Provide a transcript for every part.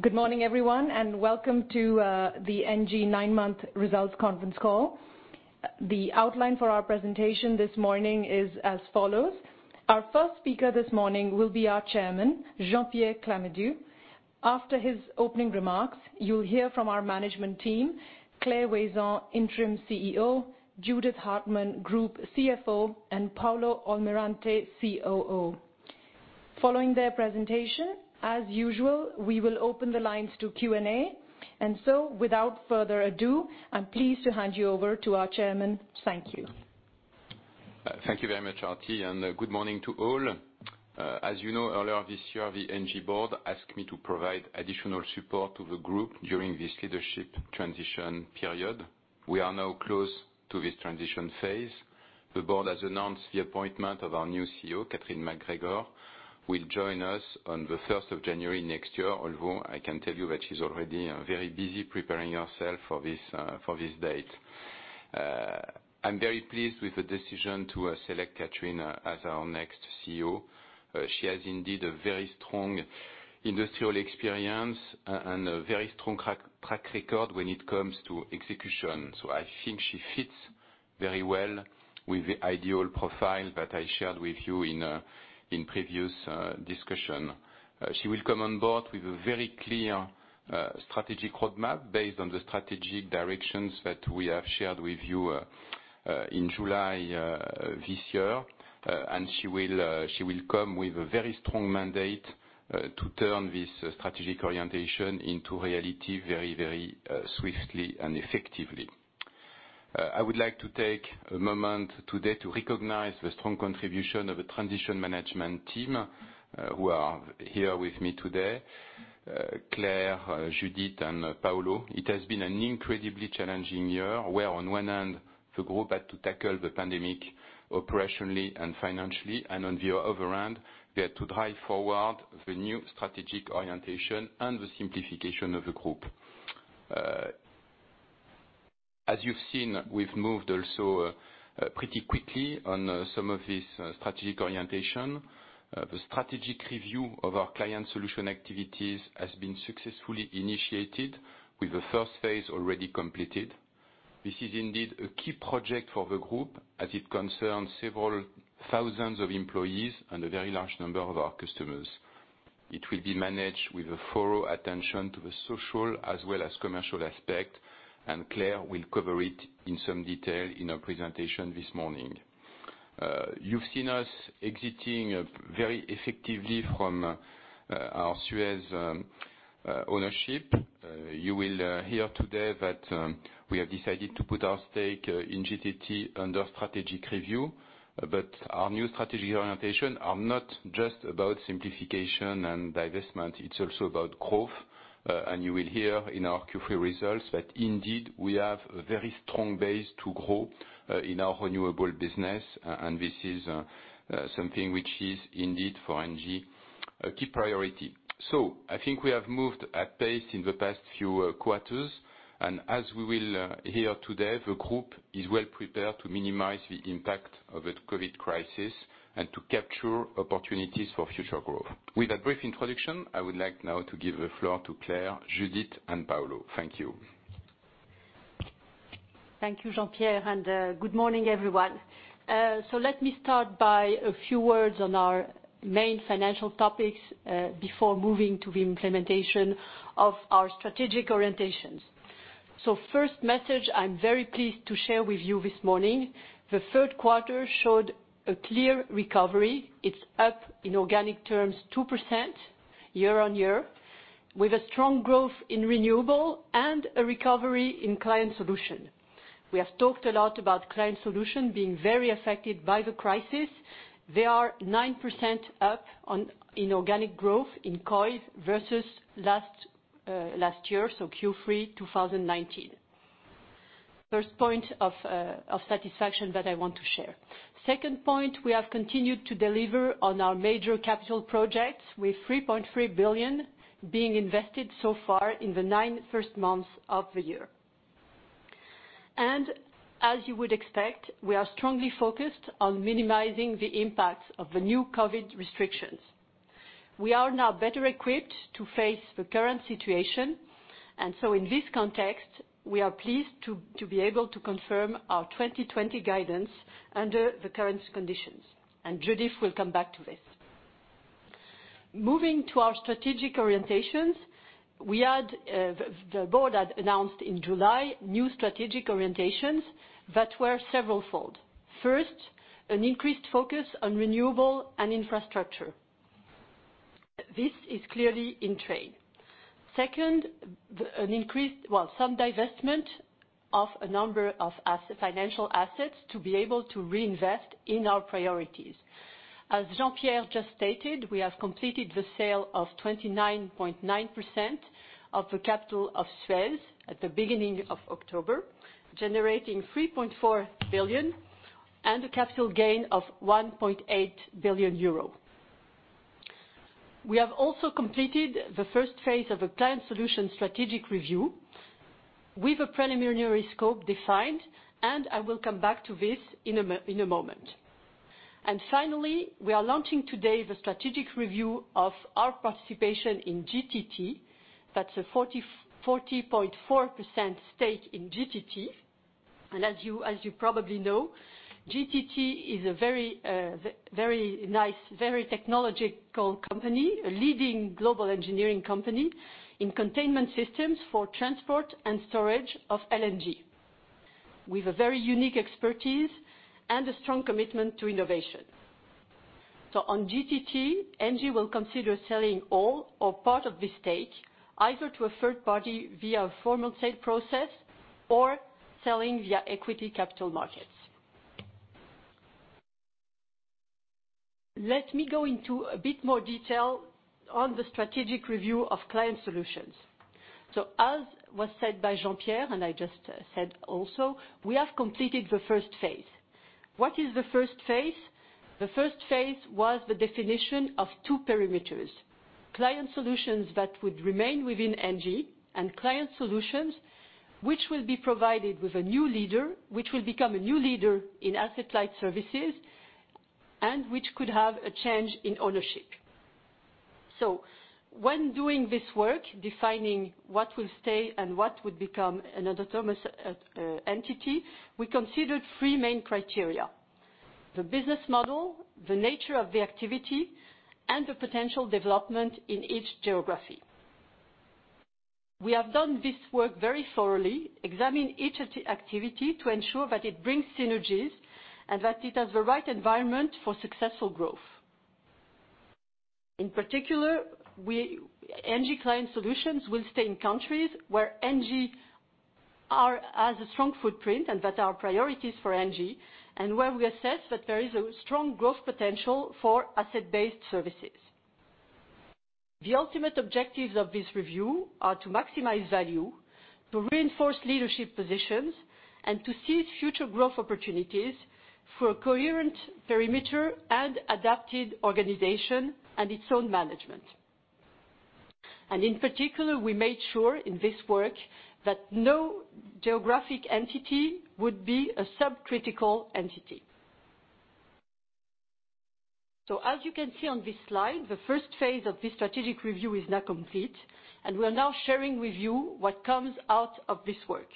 Good morning, everyone, and welcome to the ENGIE nine-month results conference call. The outline for our presentation this morning is as follows. Our first speaker this morning will be our chairman, Jean-Pierre Clamadieu. After his opening remarks, you'll hear from our management team, Claire Waysand, Interim CEO, Judith Hartmann, Group CFO, and Paulo Almirante, COO. Following their presentation, as usual, we will open the lines to Q&A. And so, without further ado, I'm pleased to hand you over to our chairman. Thank you. Thank you very much, Aarti, and good morning to all. As you know, earlier this year, the ENGIE board asked me to provide additional support to the group during this leadership transition period. We are now close to this transition phase. The board has announced the appointment of our new CEO, Catherine MacGregor, who will join us on the 1st of January next year, although I can tell you that she's already very busy preparing herself for this date. I'm very pleased with the decision to select Catherine as our next CEO. She has, indeed, a very strong industrial experience and a very strong track record when it comes to execution. So I think she fits very well with the ideal profile that I shared with you in previous discussion. She will come on board with a very clear strategic roadmap based on the strategic directions that we have shared with you in July this year. And she will come with a very strong mandate to turn this strategic orientation into reality very, very swiftly and effectively. I would like to take a moment today to recognize the strong contribution of the transition management team who are here with me today: Claire, Judith, and Paulo. It has been an incredibly challenging year where, on one hand, the group had to tackle the pandemic operationally and financially, and on the other hand, we had to drive forward the new strategic orientation and the simplification of the group. As you've seen, we've moved also pretty quickly on some of this strategic orientation. The strategic review of our Client Solutions activities has been successfully initiated, with the first phase already completed. This is, indeed, a key project for the group as it concerns several thousands of employees and a very large number of our customers. It will be managed with a thorough attention to the social as well as commercial aspect, and Claire will cover it in some detail in her presentation this morning. You've seen us exiting very effectively from our Suez ownership. You will hear today that we have decided to put our stake in GTT under strategic review. But our new strategic orientations are not just about simplification and divestment. It's also about growth. And you will hear in our Q3 results that, indeed, we have a very strong base to grow in our renewable business. And this is something which is, indeed, for ENGIE a key priority. So I think we have moved at pace in the past few quarters. As we will hear today, the group is well prepared to minimize the impact of the COVID crisis and to capture opportunities for future growth. With a brief introduction, I would like now to give the floor to Claire, Judith, and Paulo. Thank you. Thank you, Jean-Pierre, and good morning, everyone. So let me start by a few words on our main financial topics before moving to the implementation of our strategic orientations. So first message I'm very pleased to share with you this morning: the third quarter showed a clear recovery. It's up, in organic terms, 2% year-on-year, with a strong growth in renewable and a recovery in client solution. We have talked a lot about client solution being very affected by the crisis. They are 9% up in organic growth in COI versus last year, so Q3 2019. First point of satisfaction that I want to share. Second point, we have continued to deliver on our major capital projects, with 3.3 billion being invested so far in the nine first months of the year. As you would expect, we are strongly focused on minimizing the impacts of the new COVID restrictions. We are now better equipped to face the current situation. In this context, we are pleased to be able to confirm our 2020 guidance under the current conditions. Judith will come back to this. Moving to our strategic orientations, the board had announced in July new strategic orientations that were several-fold. First, an increased focus on renewable and infrastructure. This is clearly in train. Second, an increased, well, some divestment of a number of financial assets to be able to reinvest in our priorities. As Jean-Pierre just stated, we have completed the sale of 29.9% of the capital of Suez at the beginning of October, generating 3.4 billion and a capital gain of 1.8 billion euro. We have also completed the first phase of a Client Solutions strategic review with a preliminary scope defined, and I will come back to this in a moment, and finally, we are launching today the strategic review of our participation in GTT. That's a 40.4% stake in GTT, and as you probably know, GTT is a very nice, very technological company, a leading global engineering company in containment systems for transport and storage of LNG, with a very unique expertise and a strong commitment to innovation, so on GTT, ENGIE will consider selling all or part of the stake, either to a third party via a formal sale process or selling via equity capital markets. Let me go into a bit more detail on the strategic review of Client Solutions, so as was said by Jean-Pierre, and I just said also, we have completed the first phase. What is the first phase? The first phase was the definition of two perimeters: Client Solutions that would remain within ENGIE and Client Solutions which will be provided with a new leader, which will become a new leader in asset-light services and which could have a change in ownership. So when doing this work, defining what will stay and what would become an autonomous entity, we considered three main criteria: the business model, the nature of the activity, and the potential development in each geography. We have done this work very thoroughly, examining each activity to ensure that it brings synergies and that it has the right environment for successful growth. In particular, ENGIE Client Solutions will stay in countries where ENGIE has a strong footprint and that are priorities for ENGIE, and where we assess that there is a strong growth potential for asset-based services. The ultimate objectives of this review are to maximize value, to reinforce leadership positions, and to seize future growth opportunities for a coherent perimeter and adapted organization and its own management. And in particular, we made sure in this work that no geographic entity would be a subcritical entity. So as you can see on this slide, the first phase of this strategic review is now complete, and we are now sharing with you what comes out of this work.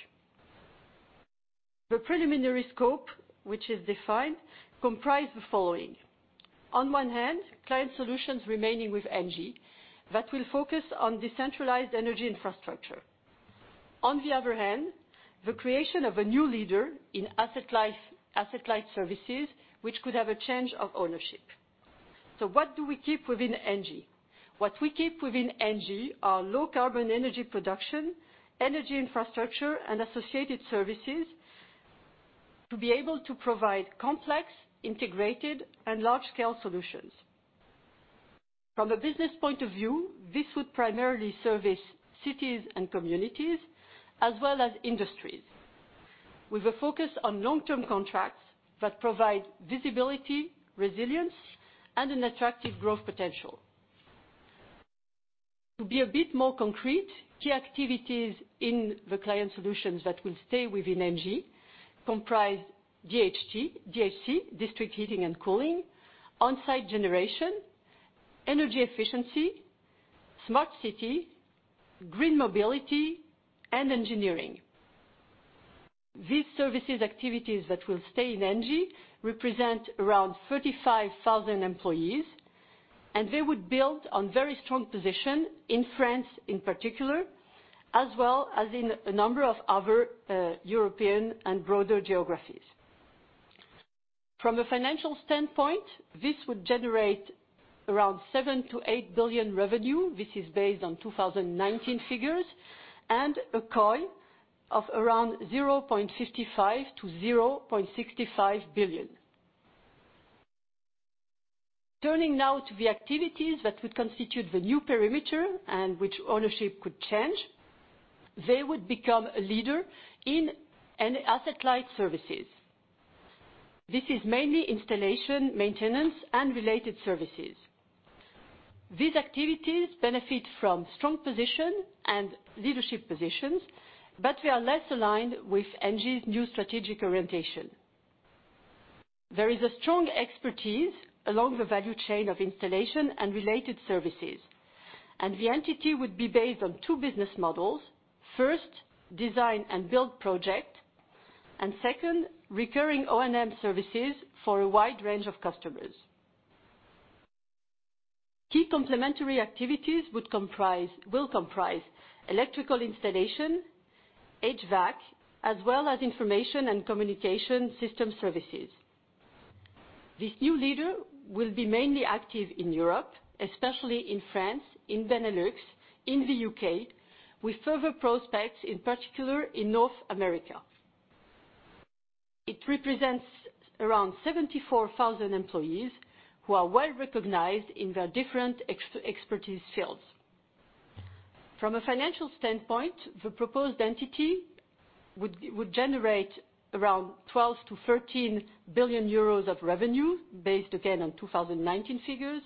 The preliminary scope, which is defined, comprised the following: on one hand, client solutions remaining with ENGIE that will focus on decentralized energy infrastructure. On the other hand, the creation of a new leader in asset-light services which could have a change of ownership. So what do we keep within ENGIE? What we keep within ENGIE are low-carbon energy production, energy infrastructure, and associated services to be able to provide complex, integrated, and large-scale solutions. From a business point of view, this would primarily service cities and communities as well as industries, with a focus on long-term contracts that provide visibility, resilience, and an attractive growth potential. To be a bit more concrete, key activities in the Client Solutions that will stay within ENGIE comprise DHC, district heating and cooling, on-site generation, energy efficiency, smart city, green mobility, and engineering. These services activities that will stay in ENGIE represent around 35,000 employees, and they would build on a very strong position in France in particular, as well as in a number of other European and broader geographies. From a financial standpoint, this would generate around 7-8 billion revenue. This is based on 2019 figures and a COI of around 0.55 billion-0.65 billion. Turning now to the activities that would constitute the new perimeter and which ownership could change, they would become a leader in asset-light services. This is mainly installation, maintenance, and related services. These activities benefit from strong position and leadership positions, but they are less aligned with ENGIE's new strategic orientation. There is a strong expertise along the value chain of installation and related services. The entity would be based on two business models: first, design and build project, and second, recurring O&M services for a wide range of customers. Key complementary activities will comprise electrical installation, HVAC, as well as information and communication system services. This new leader will be mainly active in Europe, especially in France, in Benelux, in the U.K., with further prospects in particular in North America. It represents around 74,000 employees who are well recognized in their different expertise fields. From a financial standpoint, the proposed entity would generate around 12 billion-13 billion euros of revenue, based again on 2019 figures,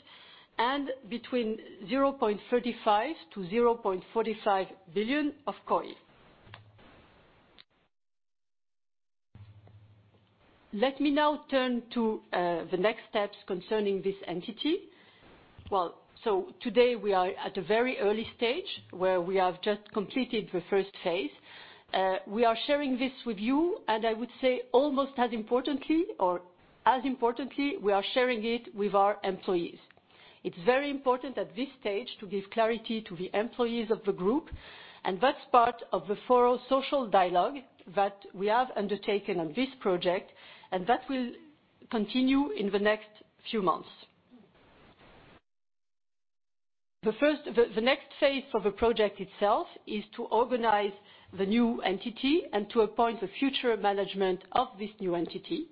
and between 0.35 billion-0.45 billion of COI. Let me now turn to the next steps concerning this entity. Well, so today we are at a very early stage where we have just completed the first phase. We are sharing this with you, and I would say almost as importantly, or as importantly, we are sharing it with our employees. It's very important at this stage to give clarity to the employees of the group, and that's part of the thorough social dialogue that we have undertaken on this project, and that will continue in the next few months. The next phase for the project itself is to organize the new entity and to appoint the future management of this new entity.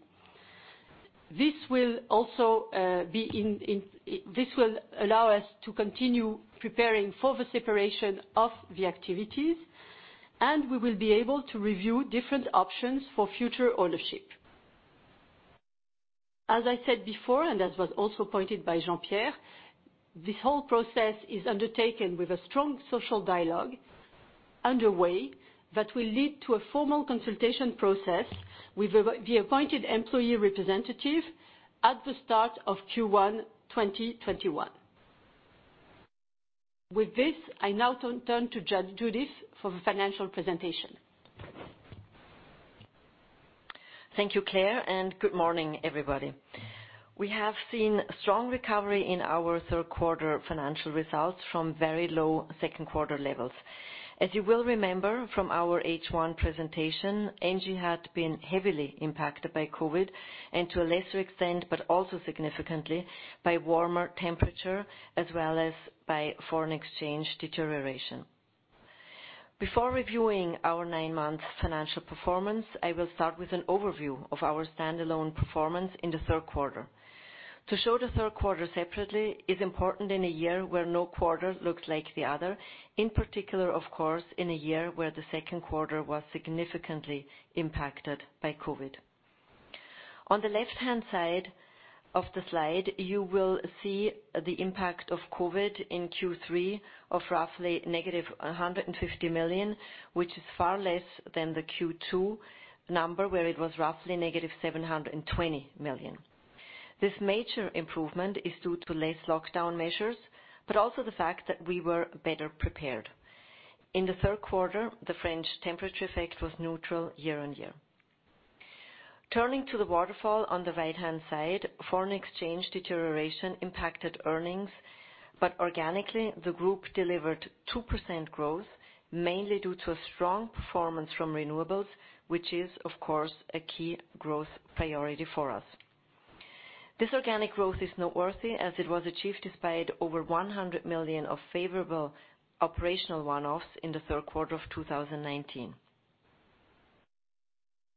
This will also allow us to continue preparing for the separation of the activities, and we will be able to review different options for future ownership. As I said before, and as was also pointed by Jean-Pierre, this whole process is undertaken with a strong social dialogue underway that will lead to a formal consultation process with the appointed employee representative at the start of Q1 2021. With this, I now turn to Judith for the financial presentation. Thank you, Claire, and good morning, everybody. We have seen a strong recovery in our third-quarter financial results from very low second-quarter levels. As you will remember from our H1 presentation, ENGIE had been heavily impacted by COVID and, to a lesser extent, but also significantly, by warmer temperature as well as by foreign exchange deterioration. Before reviewing our nine-month financial performance, I will start with an overview of our standalone performance in the third quarter. To show the third quarter separately is important in a year where no quarter looks like the other, in particular, of course, in a year where the second quarter was significantly impacted by COVID. On the left-hand side of the slide, you will see the impact of COVID in Q3 of roughly -150 million, which is far less than the Q2 number where it was roughly -720 million. This major improvement is due to less lockdown measures, but also the fact that we were better prepared. In the third quarter, the French temperature effect was neutral year-on-year. Turning to the waterfall on the right-hand side, foreign exchange deterioration impacted earnings, but organically, the group delivered 2% growth, mainly due to a strong performance from Renewables, which is, of course, a key growth priority for us. This organic growth is noteworthy as it was achieved despite over 100 million of favorable operational one-offs in the third quarter of 2019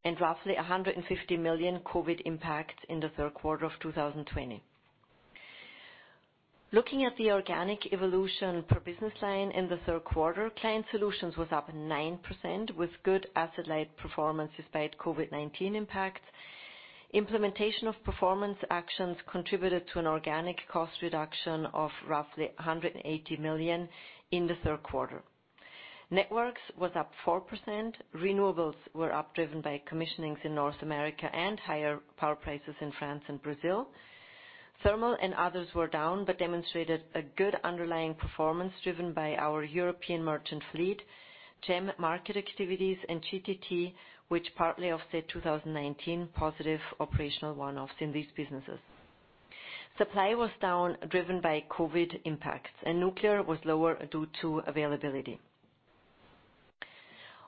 and roughly 150 million COVID impacts in the third quarter of 2020. Looking at the organic evolution per business line in the third quarter, Client Solutions was up 9% with good asset-light performance despite COVID-19 impacts. Implementation of performance actions contributed to an organic cost reduction of roughly 180 million in the third quarter. Networks was up 4%. Renewables were up driven by commissionings in North America and higher power prices in France and Brazil. Thermal and others were down but demonstrated a good underlying performance driven by our European merchant fleet, GEM market activities, and GTT, which partly offset 2019 positive operational one-offs in these businesses. Supply was down driven by COVID impacts, and Nuclear was lower due to availability.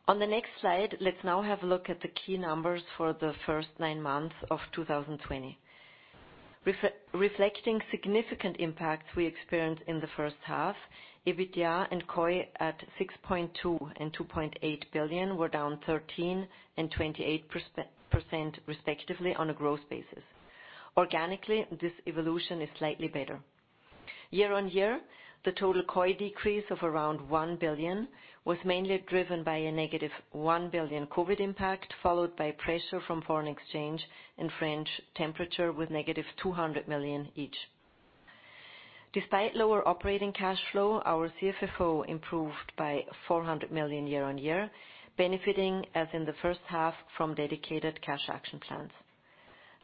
On the next slide, let's now have a look at the key numbers for the first nine months of 2020. Reflecting significant impacts we experienced in the first half, EBITDA and COI at 6.2 billion and 2.8 billion were down 13% and 28% respectively on a reported basis. Organically, this evolution is slightly better. Year-on-year, the total COI decrease of around 1 billion was mainly driven by a -1 billion COVID impact, followed by pressure from foreign exchange and French temperature with -200 million each. Despite lower operating cash flow, our CFFO improved by 400 million year-on-year, benefiting, as in the first half, from dedicated cash action plans.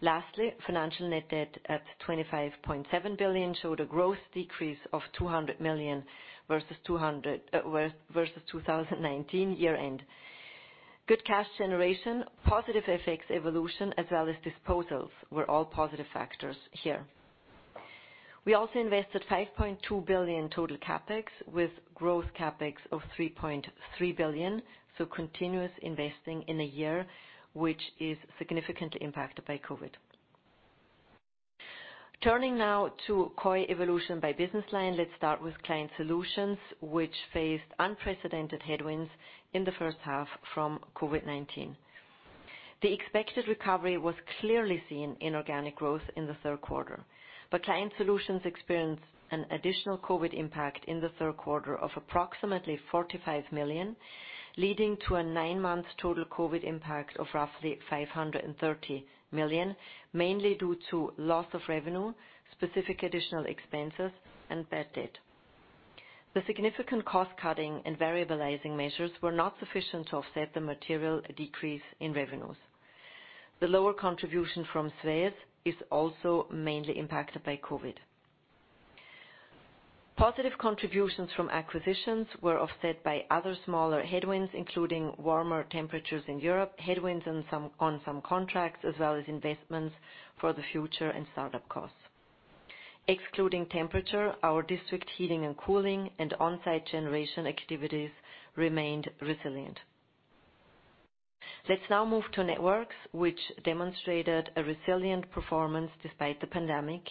Lastly, financial net debt at 25.7 billion showed a growth decrease of 200 million versus 2019 year-end. Good cash generation, positive FX evolution, as well as disposals were all positive factors here. We also invested 5.2 billion total CapEx with growth CapEx of 3.3 billion, so continuous investing in a year which is significantly impacted by COVID. Turning now to COI evolution by business line, let's start with Client Solutions, which faced unprecedented headwinds in the first half from COVID-19. The expected recovery was clearly seen in organic growth in the third quarter, but Client Solutions experienced an additional COVID impact in the third quarter of approximately 45 million, leading to a nine-month total COVID impact of roughly 530 million, mainly due to loss of revenue, specific additional expenses, and bad debt. The significant cost-cutting and variabilizing measures were not sufficient to offset the material decrease in revenues. The lower contribution from Suez is also mainly impacted by COVID. Positive contributions from acquisitions were offset by other smaller headwinds, including warmer temperatures in Europe, headwinds on some contracts, as well as investments for the future and startup costs. Excluding temperature, our district heating and cooling and on-site generation activities remained resilient. Let's now move to Networks, which demonstrated a resilient performance despite the pandemic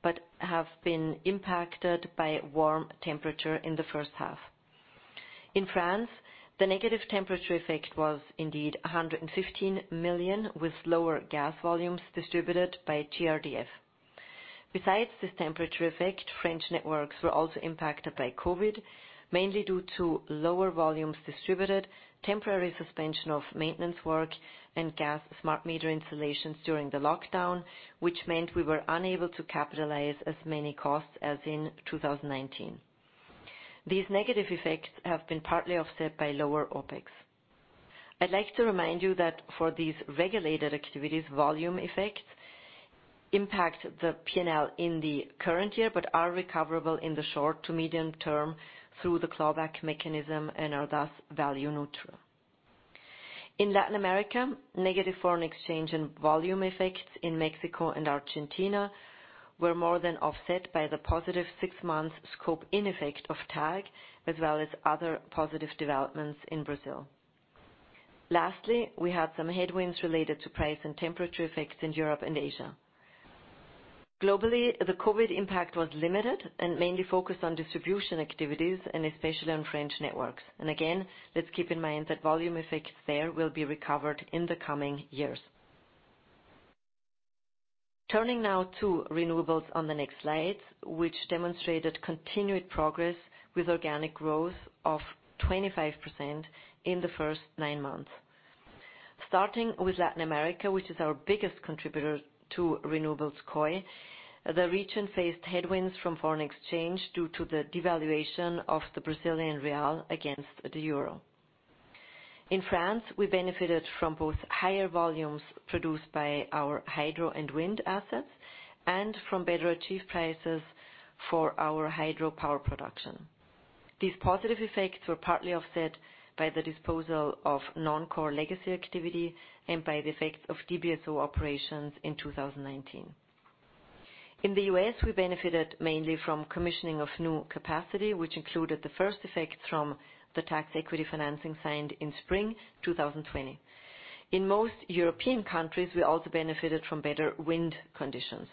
but have been impacted by warm temperatures in the first half. In France, the negative temperature effect was indeed 115 million with lower gas volumes distributed by GRDF. Besides this temperature effect, French networks were also impacted by COVID, mainly due to lower volumes distributed, temporary suspension of maintenance work, and gas smart meter installations during the lockdown, which meant we were unable to capitalize as many costs as in 2019. These negative effects have been partly offset by lower OpEx. I'd like to remind you that for these regulated activities, volume effects impact the P&L in the current year but are recoverable in the short to medium term through the clawback mechanism and are thus value neutral. In Latin America, negative foreign exchange and volume effects in Mexico and Argentina were more than offset by the positive six-month scope effect of TAG, as well as other positive developments in Brazil. Lastly, we had some headwinds related to price and temperature effects in Europe and Asia. Globally, the COVID impact was limited and mainly focused on distribution activities, and especially on French networks. And again, let's keep in mind that volume effects there will be recovered in the coming years. Turning now to renewables on the next slide, which demonstrated continued progress with organic growth of 25% in the first nine months. Starting with Latin America, which is our biggest contributor to renewables COI, the region faced headwinds from foreign exchange due to the devaluation of the Brazilian real against the euro. In France, we benefited from both higher volumes produced by our hydro and wind assets and from better achieved prices for our hydro power production. These positive effects were partly offset by the disposal of non-core legacy activity and by the effects of DBSO operations in 2019. In the U.S., we benefited mainly from commissioning of new capacity, which included the first effects from the tax equity financing signed in spring 2020. In most European countries, we also benefited from better wind conditions,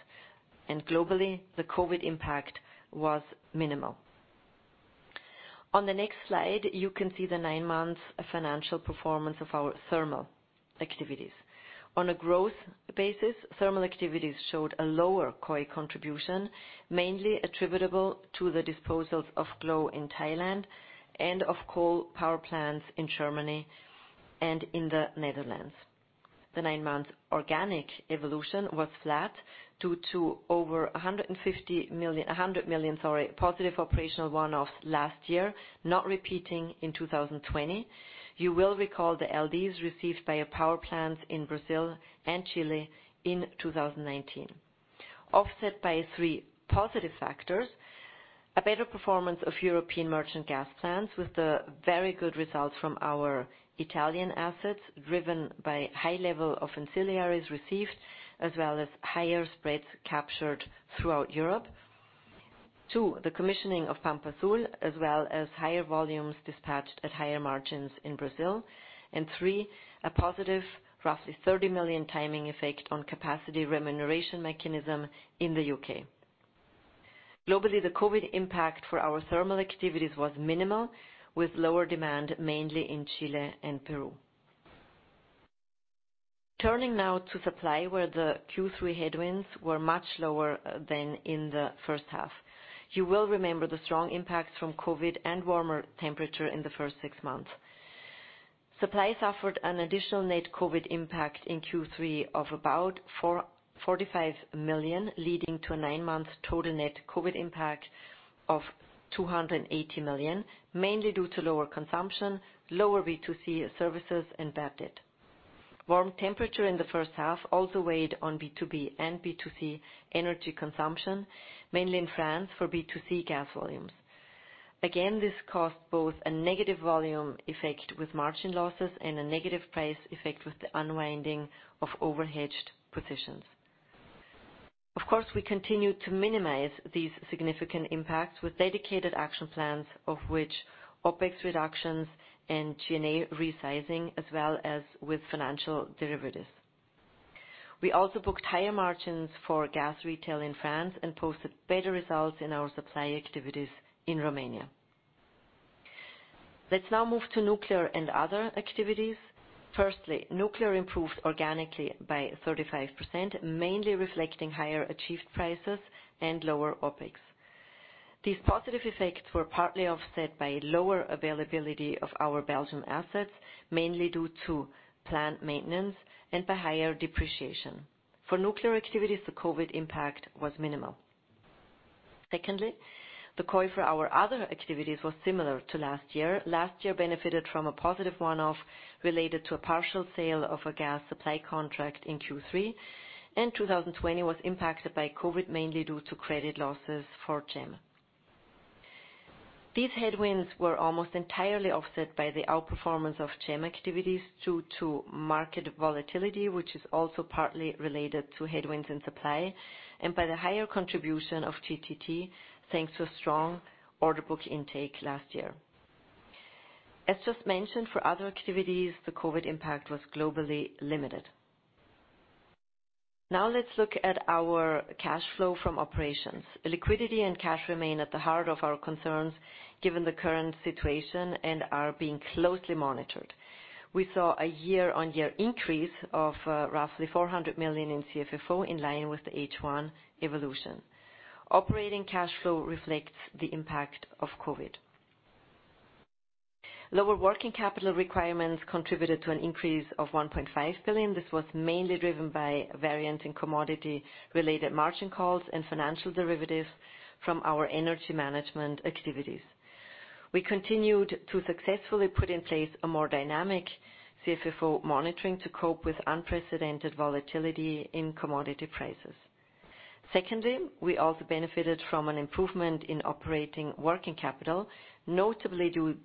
and globally, the COVID impact was minimal. On the next slide, you can see the nine-month financial performance of our thermal activities. On a growth basis, thermal activities showed a lower coal contribution, mainly attributable to the disposals of Glow in Thailand and of coal power plants in Germany and in the Netherlands. The nine-month organic evolution was flat due to over 100 million, sorry, positive operational one-offs last year, not repeating in 2020. You will recall the LDs received by power plants in Brazil and Chile in 2019. Offset by three positive factors: a better performance of European merchant gas plants with the very good results from our Italian assets driven by high level of ancillaries received, as well as higher spreads captured throughout Europe. Two, the commissioning of Pampa Sul, as well as higher volumes dispatched at higher margins in Brazil. And three, a positive roughly 30 million timing effect on capacity remuneration mechanism in the U.K. Globally, the COVID impact for our thermal activities was minimal, with lower demand mainly in Chile and Peru. Turning now to Supply, where the Q3 headwinds were much lower than in the first half. You will remember the strong impacts from COVID and warmer temperature in the first six months. Supply suffered an additional net COVID impact in Q3 of about 45 million, leading to a nine-month total net COVID impact of 280 million, mainly due to lower consumption, lower B2C services, and bad debt. Warm temperature in the first half also weighed on B2B and B2C energy consumption, mainly in France for B2C gas volumes. Again, this caused both a negative volume effect with margin losses and a negative price effect with the unwinding of overhedged positions. Of course, we continued to minimize these significant impacts with dedicated action plans, of which OpEx reductions and G&A resizing, as well as with financial derivatives. We also booked higher margins for gas retail in France and posted better results in our Supply activities in Romania. Let's now move to Nuclear and other activities. Firstly, Nuclear improved organically by 35%, mainly reflecting higher achieved prices and lower OpEx. These positive effects were partly offset by lower availability of our Belgian assets, mainly due to plant maintenance and by higher depreciation. For Nuclear activities, the COVID impact was minimal. Secondly, the COI for our other activities was similar to last year. Last year benefited from a positive one-off related to a partial sale of a gas Supply contract in Q3, and 2020 was impacted by COVID mainly due to credit losses for GEM. These headwinds were almost entirely offset by the outperformance of GEM activities due to market volatility, which is also partly related to headwinds in Supply, and by the higher contribution of GTT, thanks to a strong order book intake last year. As just mentioned, for other activities, the COVID impact was globally limited. Now let's look at our cash flow from operations. Liquidity and cash remain at the heart of our concerns given the current situation and are being closely monitored. We saw a year-on-year increase of roughly 400 million in CFFO in line with the H1 evolution. Operating cash flow reflects the impact of COVID. Lower working capital requirements contributed to an increase of 1.5 billion. This was mainly driven by variance and commodity-related margin calls and financial derivatives from our energy management activities. We continued to successfully put in place a more dynamic CFFO monitoring to cope with unprecedented volatility in commodity prices. Secondly, we also benefited from an improvement in operating working capital, notably due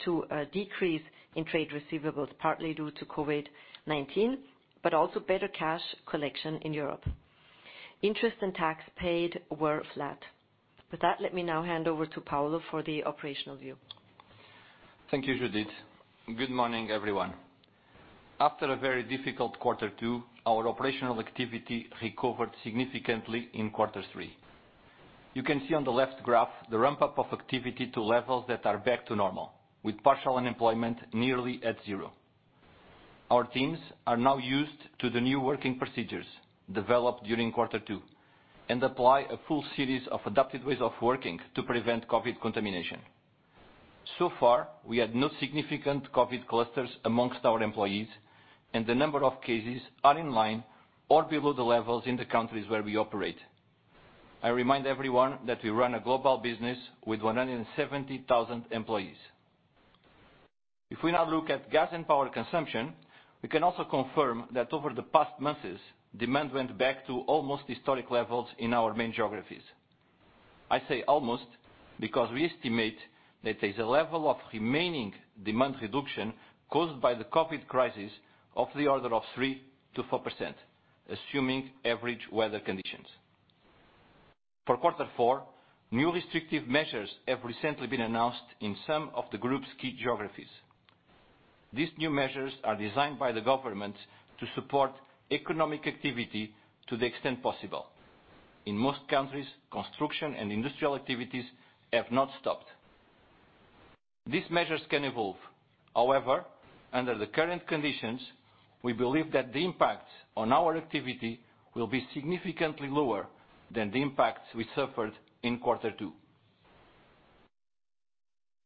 to a decrease in trade receivables, partly due to COVID-19, but also better cash collection in Europe. Interest and tax paid were flat. With that, let me now hand over to Paulo for the operational view. Thank you, Judith. Good morning, everyone. After a very difficult quarter two, our operational activity recovered significantly in quarter three. You can see on the left graph the ramp-up of activity to levels that are back to normal, with partial unemployment nearly at zero. Our teams are now used to the new working procedures developed during quarter two and apply a full series of adapted ways of working to prevent COVID contamination. So far, we had no significant COVID clusters amongst our employees, and the number of cases is in line or below the levels in the countries where we operate. I remind everyone that we run a global business with 170,000 employees. If we now look at gas and power consumption, we can also confirm that over the past months, demand went back to almost historic levels in our main geographies. I say almost because we estimate that there is a level of remaining demand reduction caused by the COVID crisis of the order of 3%-4%, assuming average weather conditions. For quarter four, new restrictive measures have recently been announced in some of the group's key geographies. These new measures are designed by the government to support economic activity to the extent possible. In most countries, construction and industrial activities have not stopped. These measures can evolve. However, under the current conditions, we believe that the impacts on our activity will be significantly lower than the impacts we suffered in quarter two.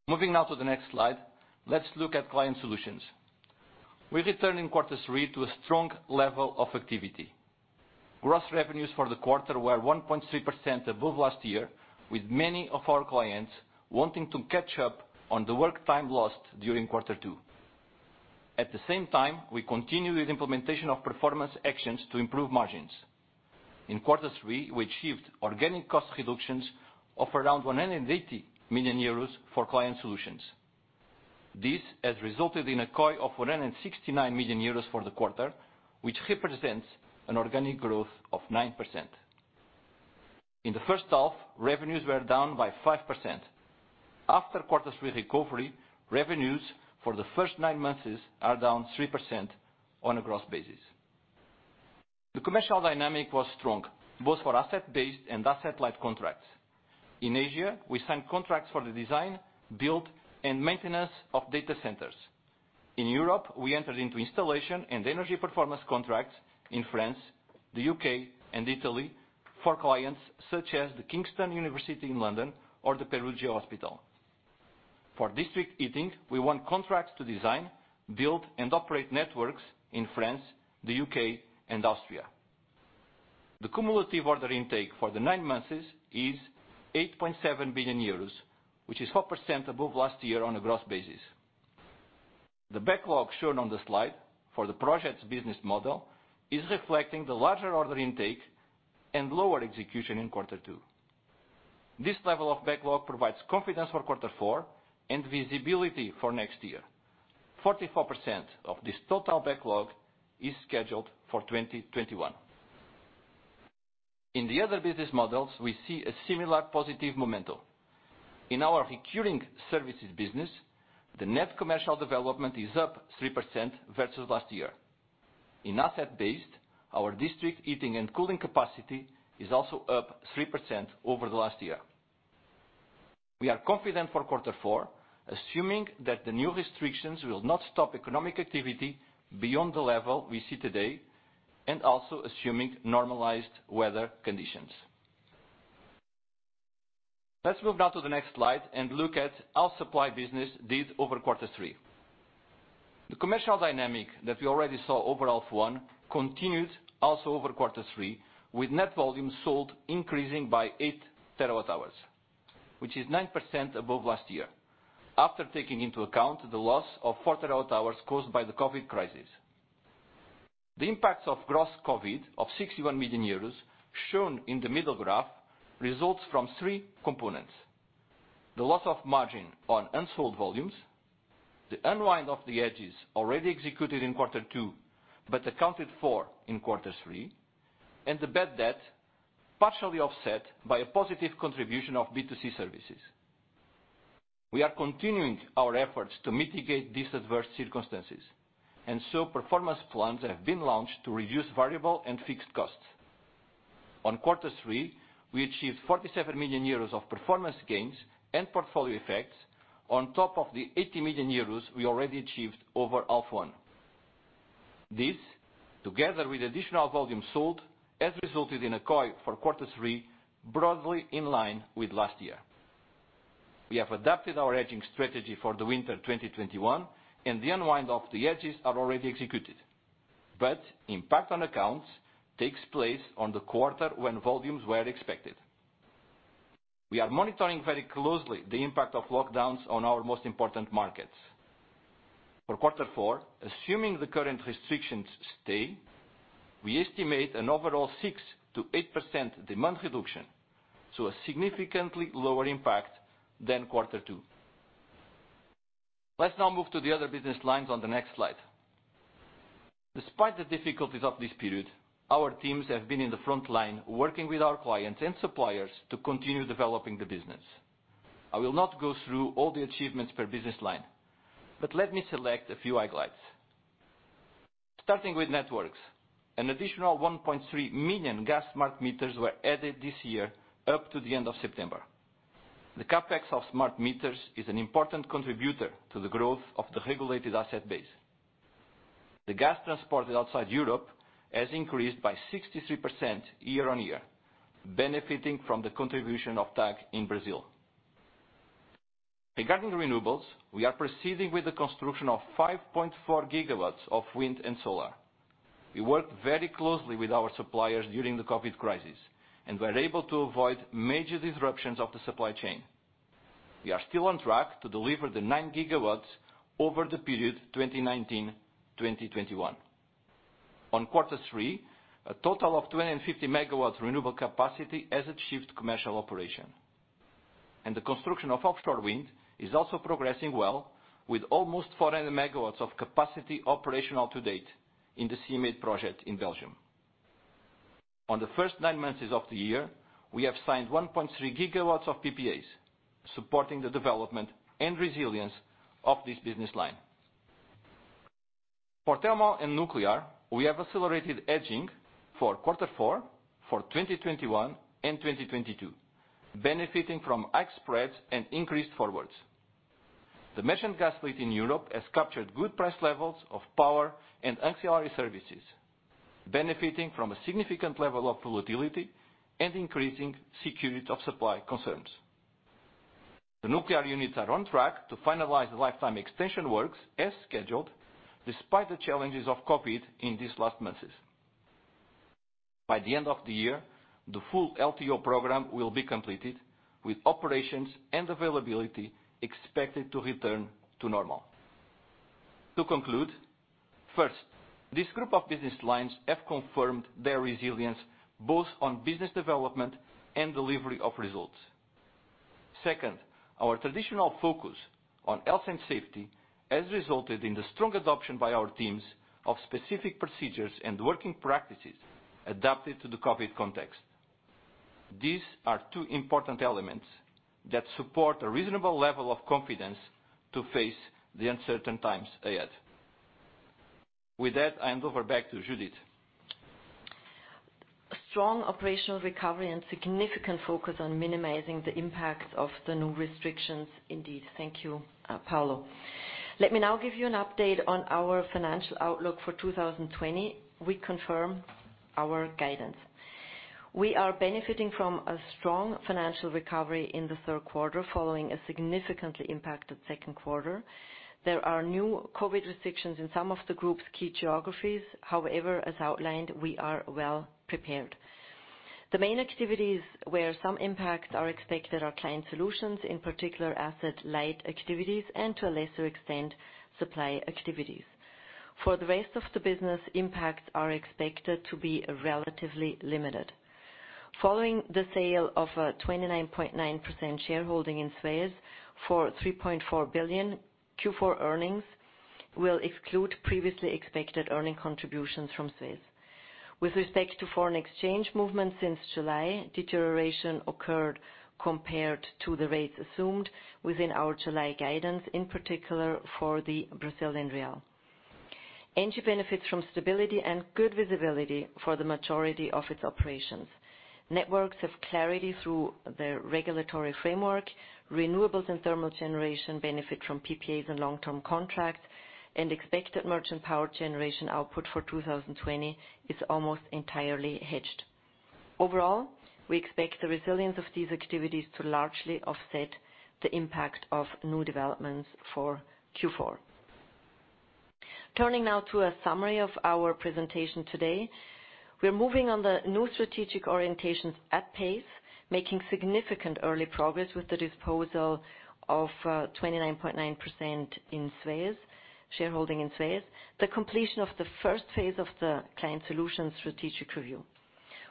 Moving now to the next slide, let's look at client solutions. We returned in quarter three to a strong level of activity. Gross revenues for the quarter were 1.3% above last year, with many of our clients wanting to catch up on the work time lost during quarter two. At the same time, we continued with implementation of performance actions to improve margins. In quarter three, we achieved organic cost reductions of around 180 million euros for Client Solutions. This has resulted in a COI of 169 million euros for the quarter, which represents an organic growth of 9%. In the first half, revenues were down by 5%. After quarter three recovery, revenues for the first nine months are down 3% on a gross basis. The commercial dynamic was strong, both for asset-based and asset-light contracts. In Asia, we signed contracts for the design, build, and maintenance of data centers. In Europe, we entered into installation and energy performance contracts in France, the U.K., and Italy for clients such as the Kingston University in London or the Perugia Ospedale. For district heating, we won contracts to design, build, and operate networks in France, the U.K., and Austria. The cumulative order intake for the nine months is 8.7 billion euros, which is 4% above last year on a gross basis. The backlog shown on the slide for the project's business model is reflecting the larger order intake and lower execution in quarter two. This level of backlog provides confidence for quarter four and visibility for next year. 44% of this total backlog is scheduled for 2021. In the other business models, we see a similar positive momentum. In our recurring services business, the net commercial development is up 3% versus last year. In asset-based, our district heating and cooling capacity is also up 3% over the last year. We are confident for quarter four, assuming that the new restrictions will not stop economic activity beyond the level we see today and also assuming normalized weather conditions. Let's move now to the next slide and look at how Supply business did over quarter three. The commercial dynamic that we already saw overall for one continued also over quarter three, with net volume sold increasing by 8 TW hours, which is 9% above last year after taking into account the loss of 4 TW hours caused by the COVID crisis. The impacts of gross COVID of 61 million euros, shown in the middle graph, result from three components: the loss of margin on unsold volumes, the unwind of the hedges already executed in quarter two but accounted for in quarter three, and the bad debt, partially offset by a positive contribution of B2C services. We are continuing our efforts to mitigate these adverse circumstances, and so performance plans have been launched to reduce variable and fixed costs. On quarter three, we achieved 47 million euros of performance gains and portfolio effects on top of the 80 million euros we already achieved over half one. This, together with additional volume sold, has resulted in a COI for quarter three broadly in line with last year. We have adapted our hedging strategy for the winter 2021, and the unwind of the hedges is already executed, but impact on accounts takes place on the quarter when volumes were expected. We are monitoring very closely the impact of lockdowns on our most important markets. For quarter four, assuming the current restrictions stay, we estimate an overall 6%-8% demand reduction, so a significantly lower impact than quarter two. Let's now move to the other business lines on the next slide. Despite the difficulties of this period, our teams have been in the front line working with our clients and suppliers to continue developing the business. I will not go through all the achievements per business line, but let me select a few highlights. Starting with networks, an additional 1.3 million gas smart meters were added this year up to the end of September. The CapEx of smart meters is an important contributor to the growth of the regulated asset base. The gas transported outside Europe has increased by 63% year-on-year, benefiting from the contribution of TAG in Brazil. Regarding renewables, we are proceeding with the construction of 5.4 GW of wind and solar. We worked very closely with our suppliers during the COVID crisis and were able to avoid major disruptions of the Supply chain. We are still on track to deliver the 9 GW over the period 2019-2021. On quarter three, a total of 250 MW renewable capacity has achieved commercial operation, and the construction of offshore wind is also progressing well, with almost 400 MW of capacity operational to date in the SeaMade project in Belgium. On the first nine months of the year, we have signed 1.3 GW of PPAs, supporting the development and resilience of this business line. For thermal and Nuclear, we have accelerated hedging for quarter four for 2021 and 2022, benefiting from high spreads and increased forwards. The merchant gas fleet in Europe has captured good price levels of power and ancillary services, benefiting from a significant level of volatility and increasing security of Supply concerns. The Nuclear units are on track to finalize lifetime extension works as scheduled, despite the challenges of COVID in these last months. By the end of the year, the full LTO program will be completed, with operations and availability expected to return to normal. To conclude, first, this group of business lines has confirmed their resilience both on business development and delivery of results. Second, our traditional focus on health and safety has resulted in the strong adoption by our teams of specific procedures and working practices adapted to the COVID context. These are two important elements that support a reasonable level of confidence to face the uncertain times ahead. With that, I hand over back to Judith. Strong operational recovery and significant focus on minimizing the impacts of the new restrictions, indeed. Thank you, Paulo. Let me now give you an update on our financial outlook for 2020. We confirm our guidance. We are benefiting from a strong financial recovery in the third quarter following a significantly impacted second quarter. There are new COVID restrictions in some of the group's key geographies. However, as outlined, we are well prepared. The main activities where some impacts are expected are client solutions, in particular asset-light activities, and to a lesser extent, Supply activities. For the rest of the business, impacts are expected to be relatively limited. Following the sale of a 29.9% shareholding in Suez for 3.4 billion, Q4 earnings will exclude previously expected earnings contributions from Suez. With respect to foreign exchange movements since July, deterioration occurred compared to the rates assumed within our July guidance, in particular for the Brazilian real. ENGIE benefits from stability and good visibility for the majority of its operations. Networks have clarity through the regulatory framework. Renewables and thermal generation benefit from PPAs and long-term contracts, and expected merchant power generation output for 2020 is almost entirely hedged. Overall, we expect the resilience of these activities to largely offset the impact of new developments for Q4. Turning now to a summary of our presentation today, we're moving on the new strategic orientations at pace, making significant early progress with the disposal of 29.9% in Suez shareholding in Suez, the completion of the first phase of the Client Solutions strategic review.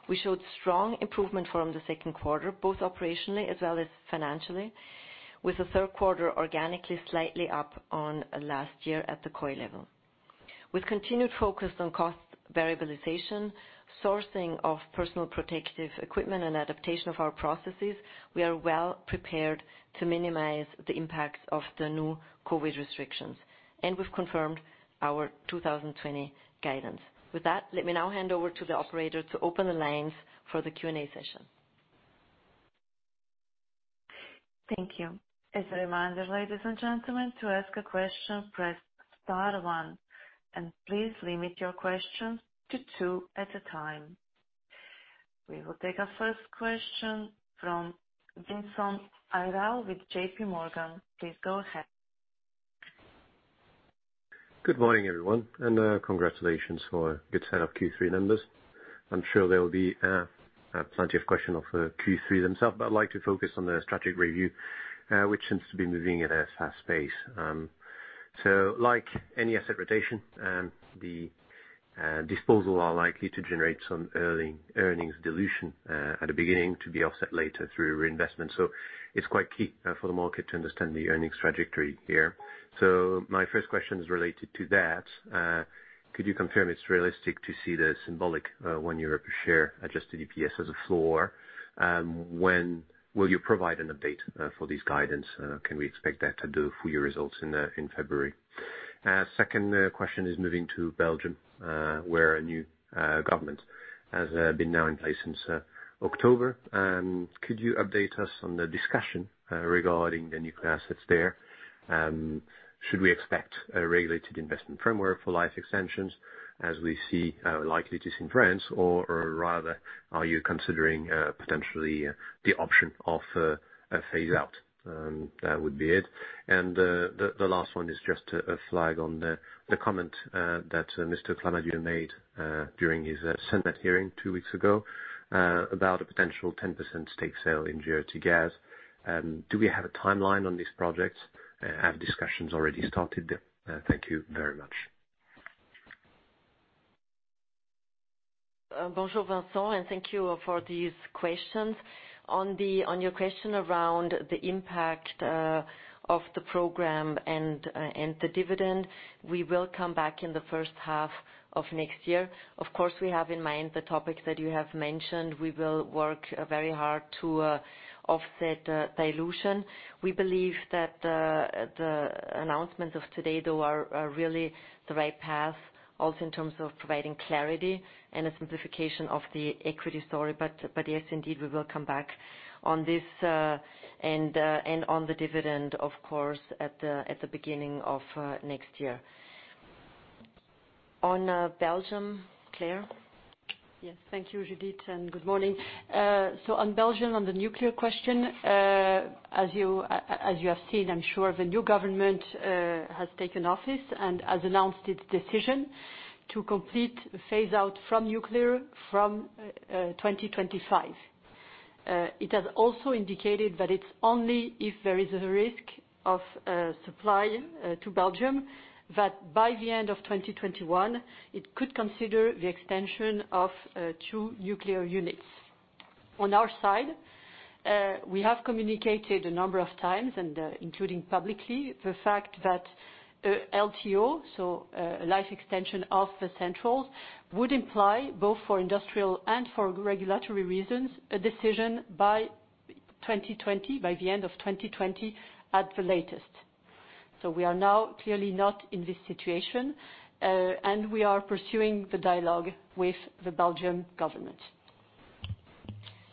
We showed strong improvement from the second quarter, both operationally as well as financially, with the third quarter organically slightly up on last year at the COI level. With continued focus on cost variabilization, sourcing of personal protective equipment, and adaptation of our processes, we are well prepared to minimize the impacts of the new COVID restrictions, and we've confirmed our 2020 guidance. With that, let me now hand over to the operator to open the lines for the Q&A session. Thank you. As a reminder, ladies and gentlemen, to ask a question, press star one, and please limit your questions to two at a time. We will take our first question from Vincent Ayral with JPMorgan. Please go ahead. Good morning, everyone, and congratulations for good set of Q3 numbers. I'm sure there will be plenty of questions for Q3 themselves, but I'd like to focus on the strategic review, which seems to be moving at a fast pace. So like any asset rotation, the disposal is likely to generate some early earnings dilution at the beginning to be offset later through reinvestment. So it's quite key for the market to understand the earnings trajectory here. So my first question is related to that. Could you confirm it's realistic to see the symbolic 1 euro per share adjusted EPS as a floor? When will you provide an update for this guidance? Can we expect that at your results in February? Second question is moving to Belgium, where a new government has been now in place since October. Could you update us on the discussion regarding the Nuclear assets there? Should we expect a regulated investment framework for life extensions as we see likely to see in France, or rather, are you considering potentially the option of a phase-out? That would be it. And the last one is just a flag on the comment that Mr. Clamadieu made during his Senate hearing two weeks ago about a potential 10% stake sale in GRTgaz. Do we have a timeline on these projects? Have discussions already started? Thank you very much. Bonjour Vincent, and thank you for these questions. On your question around the impact of the program and the dividend, we will come back in the first half of next year. Of course, we have in mind the topic that you have mentioned. We will work very hard to offset dilution. We believe that the announcements of today, though, are really the right path, also in terms of providing clarity and a simplification of the equity story. But yes, indeed, we will come back on this and on the dividend, of course, at the beginning of next year. On Belgium, Claire? Yes, thank you, Judith, and good morning. So on Belgium, on the Nuclear question, as you have seen, I'm sure the new government has taken office and has announced its decision to complete phase-out from Nuclear from 2025. It has also indicated that it's only if there is a risk of Supply to Belgium that by the end of 2021, it could consider the extension of two Nuclear units. On our side, we have communicated a number of times, including publicly, the fact that LTO, so life extension of the centrales, would imply both for industrial and for regulatory reasons a decision by 2020, by the end of 2020 at the latest, so we are now clearly not in this situation, and we are pursuing the dialogue with the Belgian government.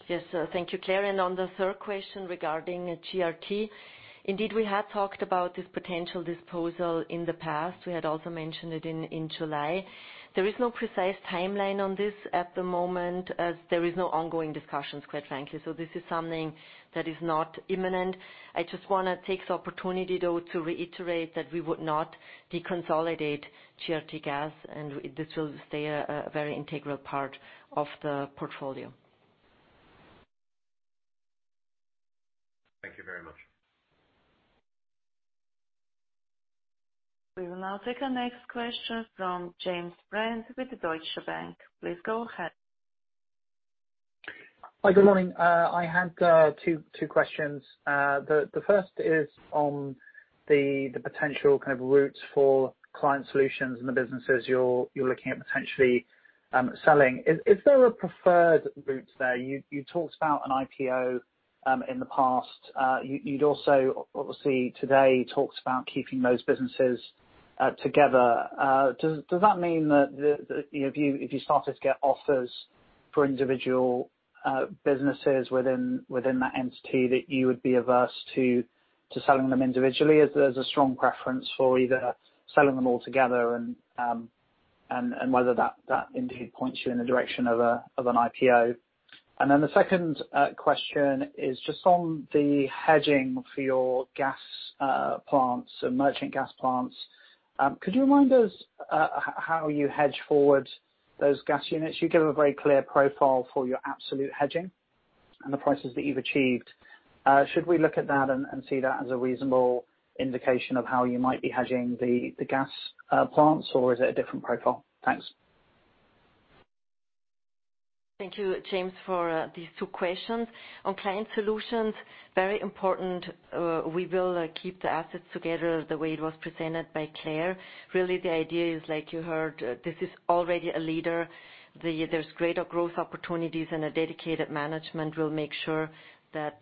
Yes, thank you, Claire, and on the third question regarding GRT, indeed, we had talked about this potential disposal in the past. We had also mentioned it in July. There is no precise timeline on this at the moment, as there are no ongoing discussions, quite frankly, so this is something that is not imminent. I just want to take the opportunity, though, to reiterate that we would not deconsolidate GRTgaz, and this will stay a very integral part of the portfolio. Thank you very much. We will now take our next question from James Brand with Deutsche Bank. Please go ahead. Hi, good morning. I had two questions. The first is on the potential kind of routes for Client Solutions and the businesses you're looking at potentially selling. Is there a preferred route there? You talked about an IPO in the past. You'd also, obviously, today talked about keeping those businesses together. Does that mean that if you started to get offers for individual businesses within that entity that you would be averse to selling them individually? Is there a strong preference for either selling them all together and whether that indeed points you in the direction of an IPO? And then the second question is just on the hedging for your gas plants and merchant gas plants. Could you remind us how you hedge forward those gas units? You give a very clear profile for your absolute hedging and the prices that you've achieved. Should we look at that and see that as a reasonable indication of how you might be hedging the gas plants, or is it a different profile? Thanks. Thank you, James, for these two questions. On Client Solutions, very important. We will keep the assets together the way it was presented by Claire. Really, the idea is, like you heard, this is already a leader. There's greater growth opportunities, and a dedicated management will make sure that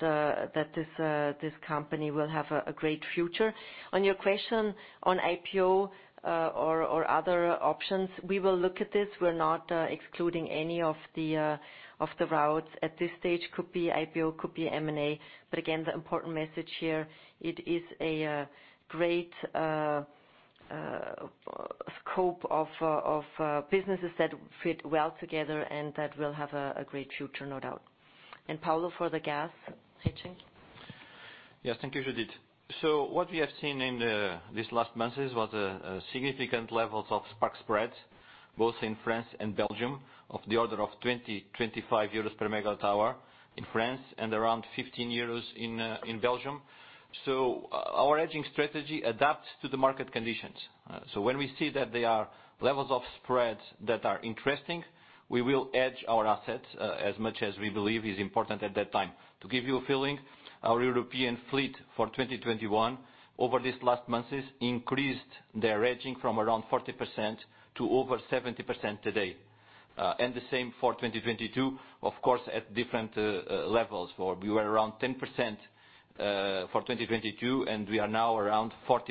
this company will have a great future. On your question on IPO or other options, we will look at this. We're not excluding any of the routes at this stage. It could be IPO, it could be M&A. But again, the important message here, it is a great scope of businesses that fit well together and that will have a great future, no doubt. And Paulo, for the gas hedging. Yes, thank you, Judith. So what we have seen in these last months was a significant level of spark spreads, both in France and Belgium, of the order of 20-25 euros per megawatt hour in France and around 15 euros in Belgium. So our hedging strategy adapts to the market conditions. So when we see that there are levels of spreads that are interesting, we will hedge our assets as much as we believe is important at that time. To give you a feeling, our European fleet for 2021 over these last months increased their hedging from around 40% to over 70% today. And the same for 2022, of course, at different levels. We were around 10% for 2022, and we are now around 40%.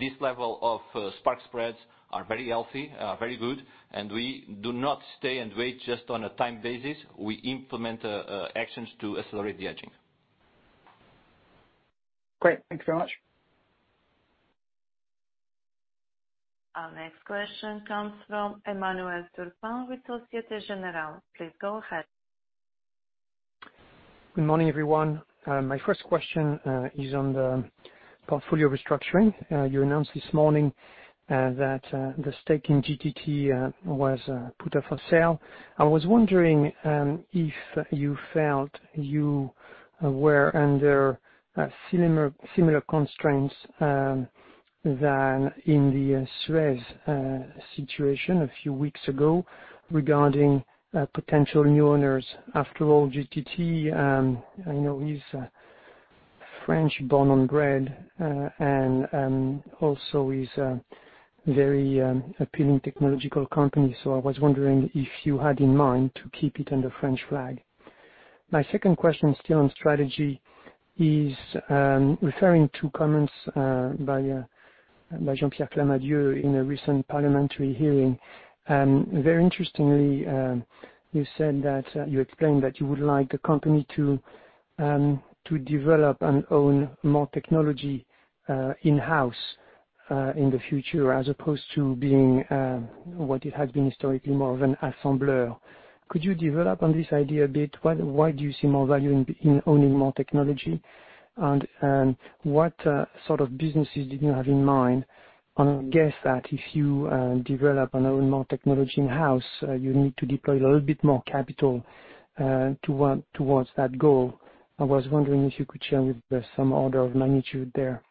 This level of spark spreads are very healthy, very good, and we do not stay and wait just on a time basis. We implement actions to accelerate the hedging. Great. Thanks very much. Our next question comes from Emmanuel Turpin with Societe Generale. Please go ahead. Good morning, everyone. My first question is on the portfolio restructuring. You announced this morning that the stake in GTT was put up for sale. I was wondering if you felt you were under similar constraints than in the Suez situation a few weeks ago regarding potential new owners. After all, GTT, I know he's French born and bred, and also he's a very appealing technological company. So I was wondering if you had in mind to keep it under French flag. My second question still on strategy is referring to comments by Jean-Pierre Clamadieu in a recent parliamentary hearing. Very interestingly, you said that you explained that you would like the company to develop and own more technology in-house in the future as opposed to being what it has been historically, more of an assembleur. Could you develop on this idea a bit? Why do you see more value in owning more technology? And what sort of businesses did you have in mind? I guess that if you develop and own more technology in-house, you need to deploy a little bit more capital towards that goal. I was wondering if you could share with us some order of magnitude there.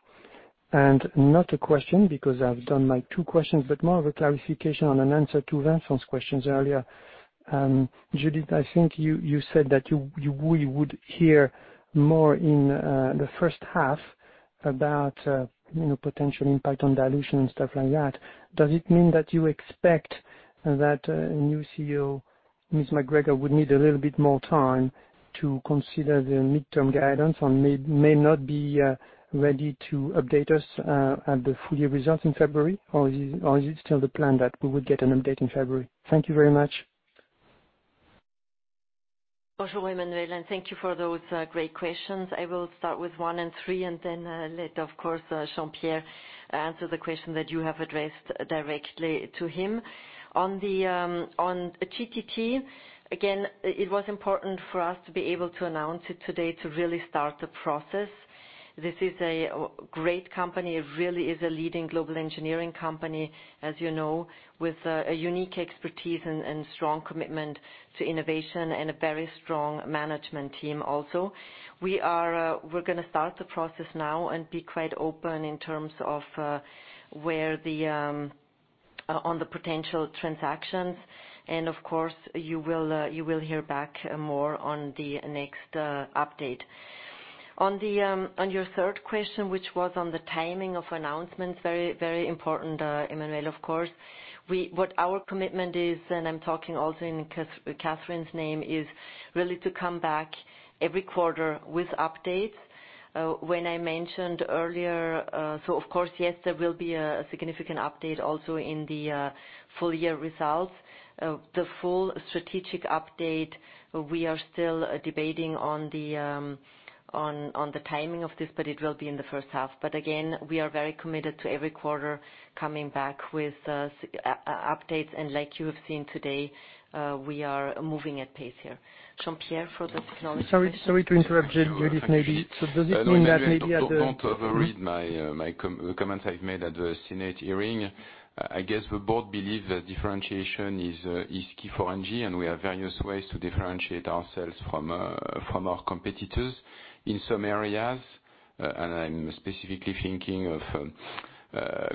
And not a question because I've done my two questions, but more of a clarification on an answer to Vincent's questions earlier. Judith, I think you said that you would hear more in the first half about potential impact on dilution and stuff like that. Does it mean that you expect that new CEO, Ms. MacGregor, would need a little bit more time to consider the mid-term guidance and may not be ready to update us at the full year results in February? Or is it still the plan that we would get an update in February? Thank you very much. Bonjour, Emmanuel, and thank you for those great questions. I will start with one and three, and then let, of course, Jean-Pierre answer the question that you have addressed directly to him. On GTT, again, it was important for us to be able to announce it today to really start the process. This is a great company. It really is a leading global engineering company, as you know, with a unique expertise and strong commitment to innovation and a very strong management team also. We're going to start the process now and be quite open in terms of where they are on the potential transactions. And of course, you will hear back more on the next update. On your third question, which was on the timing of announcements, very important, Emmanuel, of course. What our commitment is, and I'm talking also in Catherine's name, is really to come back every quarter with updates. When I mentioned earlier, so of course, yes, there will be a significant update also in the full year results. The full strategic update, we are still debating on the timing of this, but it will be in the first half. But again, we are very committed to every quarter coming back with updates. Like you have seen today, we are moving at pace here. Jean-Pierre, for the technology side. Sorry to interrupt, Judith, maybe. Does it mean that maybe at the. I don't want to overread the comments I've made at the Senate hearing. I guess the board believes that differentiation is key for ENGIE, and we have various ways to differentiate ourselves from our competitors in some areas. I'm specifically thinking of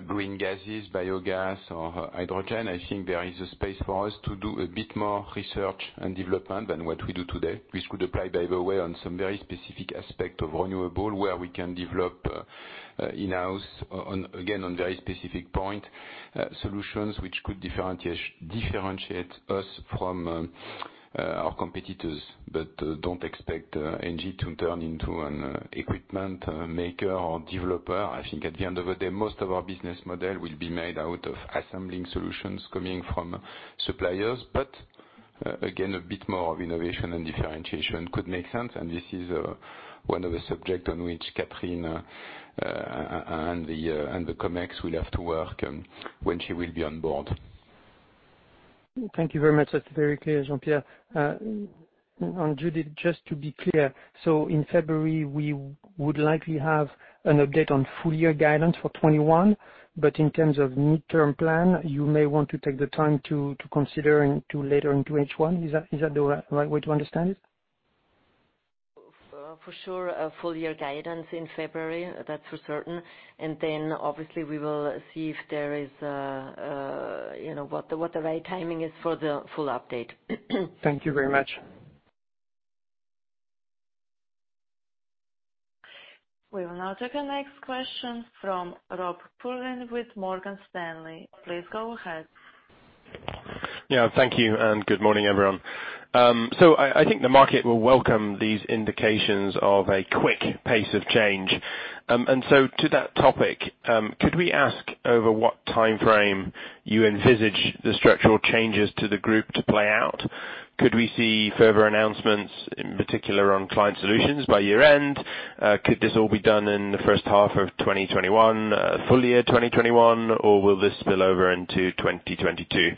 green gases, biogas, or hydrogen. I think there is a space for us to do a bit more research and development than what we do today. We could apply, by the way, on some very specific aspects of renewable where we can develop in-house, again, on very specific points, solutions which could differentiate us from our competitors. Don't expect ENGIE to turn into an equipment maker or developer. I think at the end of the day, most of our business model will be made out of assembling solutions coming from suppliers. But again, a bit more of innovation and differentiation could make sense. And this is one of the subjects on which Catherine and the Comex will have to work when she will be on board. Thank you very much. That's very clear, Jean-Pierre. And Judith, just to be clear, so in February, we would likely have an update on full year guidance for 2021. But in terms of midterm plan, you may want to take the time to consider later into H1. Is that the right way to understand it? For sure, full year guidance in February, that's for certain. And then, obviously, we will see if there is what the right timing is for the full update. Thank you very much. We will now take our next question from Rob Pulleyn with Morgan Stanley. Please go ahead. Yeah, thank you. And good morning, everyone. So I think the market will welcome these indications of a quick pace of change. And so to that topic, could we ask over what timeframe you envisage the structural changes to the group to play out? Could we see further announcements, in particular on client solutions by year-end? Could this all be done in the first half of 2021, full year 2021, or will this spill over into 2022?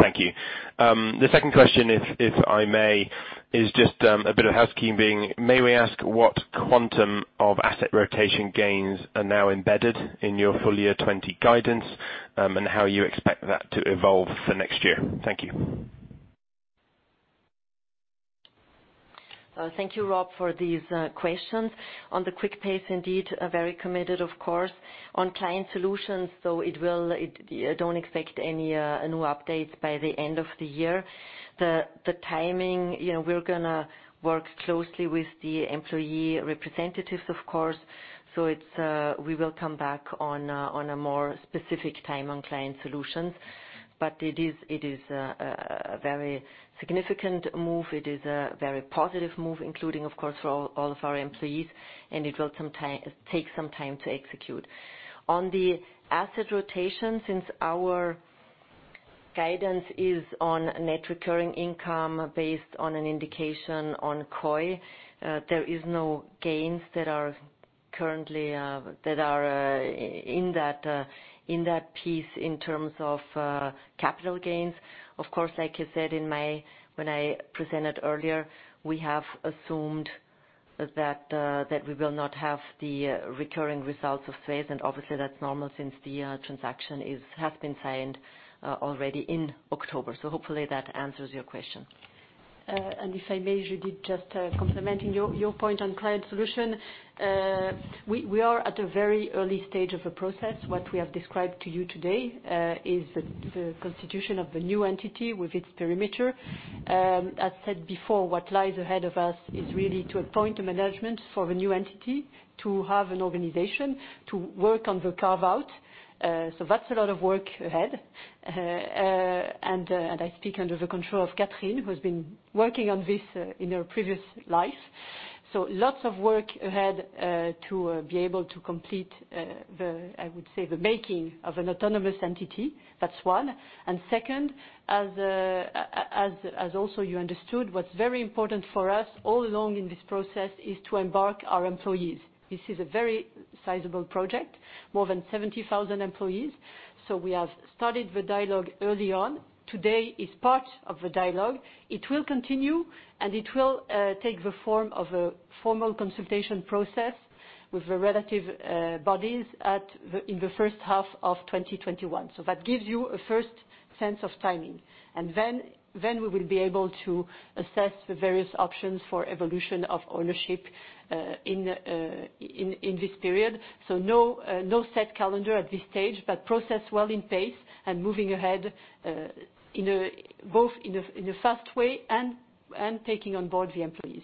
Thank you. The second question, if I may, is just a bit of housekeeping. May we ask what quantum of asset rotation gains are now embedded in your full year 2020 guidance and how you expect that to evolve for next year? Thank you. Thank you, Rob, for these questions. On the quick pace, indeed. Very committed, of course. On client solutions, so don't expect any new updates by the end of the year. The timing, we're going to work closely with the employee representatives, of course. So we will come back on a more specific time on client solutions. But it is a very significant move. It is a very positive move, including, of course, for all of our employees. It will take some time to execute. On the asset rotation, since our guidance is on net recurring income based on an indication on COI, there are no gains that are currently in that piece in terms of capital gains. Of course, like I said when I presented earlier, we have assumed that we will not have the recurring results of Suez. Obviously, that's normal since the transaction has been signed already in October. So hopefully, that answers your question. And if I may, Judith, just complementing your point on Client Solutions, we are at a very early stage of the process. What we have described to you today is the constitution of the new entity with its perimeter. As said before, what lies ahead of us is really to appoint the management for the new entity to have an organization to work on the carve-out. So that's a lot of work ahead. And I speak under the control of Catherine, who has been working on this in her previous life. So lots of work ahead to be able to complete, I would say, the making of an autonomous entity. That's one. And second, as also you understood, what's very important for us all along in this process is to embark our employees. This is a very sizable project, more than 70,000 employees. So we have started the dialogue early on. Today is part of the dialogue. It will continue, and it will take the form of a formal consultation process with the relevant bodies in the first half of 2021. So that gives you a first sense of timing. And then we will be able to assess the various options for evolution of ownership in this period. So no set calendar at this stage, but process well in pace and moving ahead both in a fast way and taking on board the employees.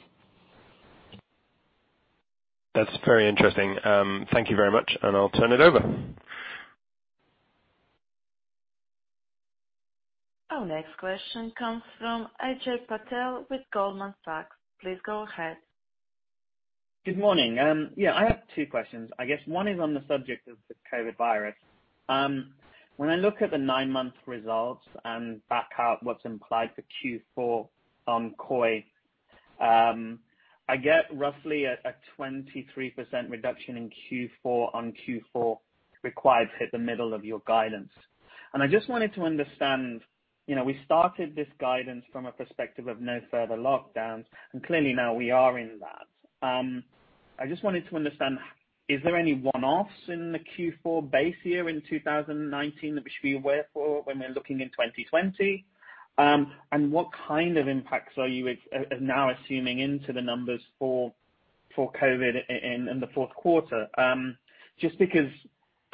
That's very interesting. Thank you very much. And I'll turn it over. Our next question comes from Ajay Patel with Goldman Sachs. Please go ahead. Good morning. Yeah, I have two questions. I guess one is on the subject of the COVID virus. When I look at the nine-month results and back out what's implied for Q4 on COI, I get roughly a 23% reduction in Q4 on Q4 required to hit the middle of your guidance. I just wanted to understand. We started this guidance from a perspective of no further lockdowns. Clearly, now we are in that. I just wanted to understand. Is there any one-offs in the Q4 base year in 2019 that we should be aware for when we're looking in 2020? What kind of impacts are you now assuming into the numbers for COVID in the fourth quarter? Just because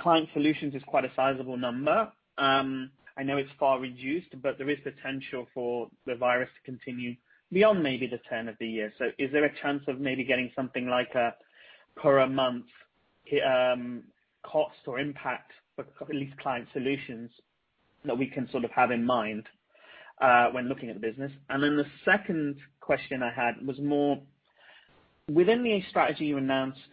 Client Solutions is quite a sizable number, I know it's far reduced, but there is potential for the virus to continue beyond maybe the turn of the year. Is there a chance of maybe getting something like a per month cost or impact for at least Client Solutions that we can sort of have in mind when looking at the business? And then the second question I had was more, within the strategy you announced at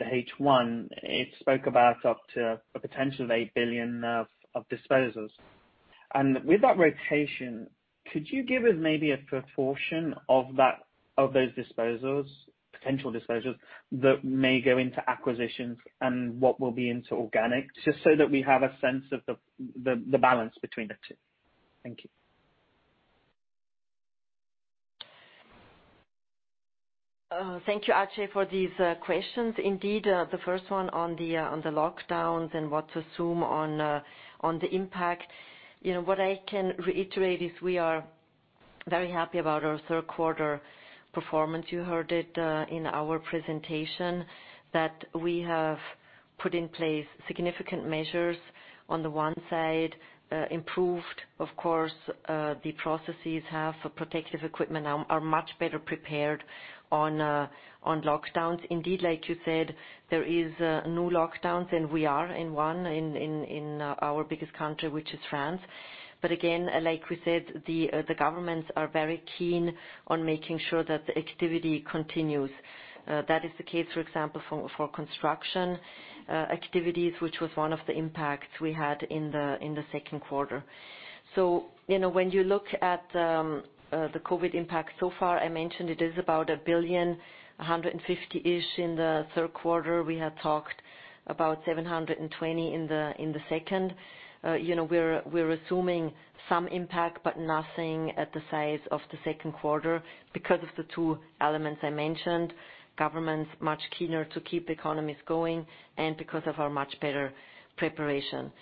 the H1, it spoke about up to a potential of 8 billion of disposals. And with that rotation, could you give us maybe a proportion of those disposals, potential disposals, that may go into acquisitions and what will be into organic, just so that we have a sense of the balance between the two? Thank you. Thank you, Ajay, for these questions. Indeed, the first one on the lockdowns and what to assume on the impact. What I can reiterate is we are very happy about our third quarter performance. You heard it in our presentation that we have put in place significant measures on the one side, improved, of course, the processes have protective equipment, are much better prepared on lockdowns. Indeed, like you said, there is new lockdowns, and we are in one in our biggest country, which is France. But again, like we said, the governments are very keen on making sure that the activity continues. That is the case, for example, for construction activities, which was one of the impacts we had in the second quarter. When you look at the COVID impact so far, I mentioned it is about 1 billion, 150 million-ish in the third quarter. We had talked about 720 million in the second. We're assuming some impact, but nothing at the size of the second quarter because of the two elements I mentioned, governments much keener to keep economies going, and because of our much better preparation.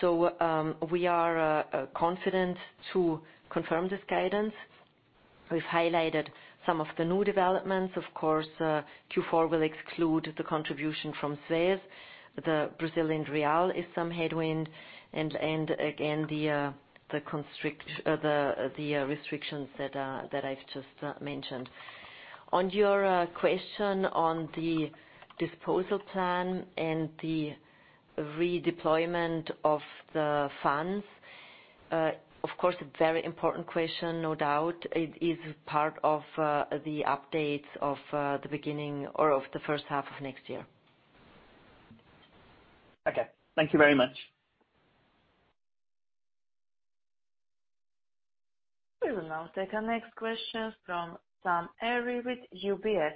So we are confident to confirm this guidance. We've highlighted some of the new developments. Of course, Q4 will exclude the contribution from Suez. The Brazilian real is some headwind. And again, the restrictions that I've just mentioned. On your question on the disposal plan and the redeployment of the funds, of course, a very important question, no doubt. It is part of the updates of the beginning or of the first half of next year. Okay. Thank you very much. We will now take our next question from Sam Arie with UBS.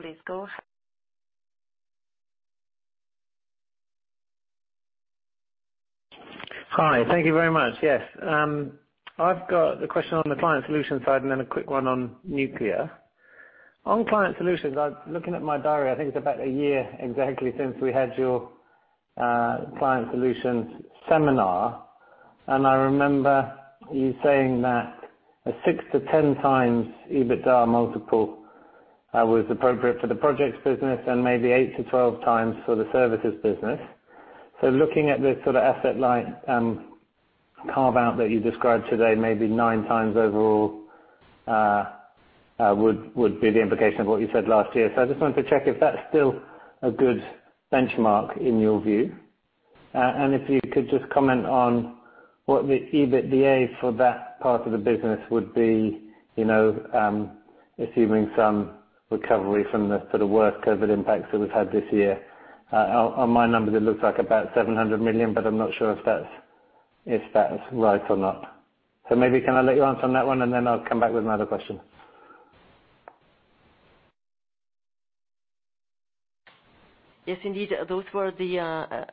Please go ahead. Hi. Thank you very much. Yes. I've got the question on the Client Solutions side and then a quick one on Nuclear. On Client Solutions, I'm looking at my diary. I think it's about a year exactly since we had your Client Solutions seminar. And I remember you saying that a six to 10x EBITDA multiple was appropriate for the projects business and maybe eight to 12x for the services business. So looking at this sort of asset-light carve-out that you described today, maybe 9x overall would be the implication of what you said last year. So I just wanted to check if that's still a good benchmark in your view. And if you could just comment on what the EBITDA for that part of the business would be, assuming some recovery from the sort of worst COVID impacts that we've had this year. On my numbers, it looks like about 700 million, but I'm not sure if that's right or not. So maybe can I let you answer on that one, and then I'll come back with another question. Yes, indeed. Those were the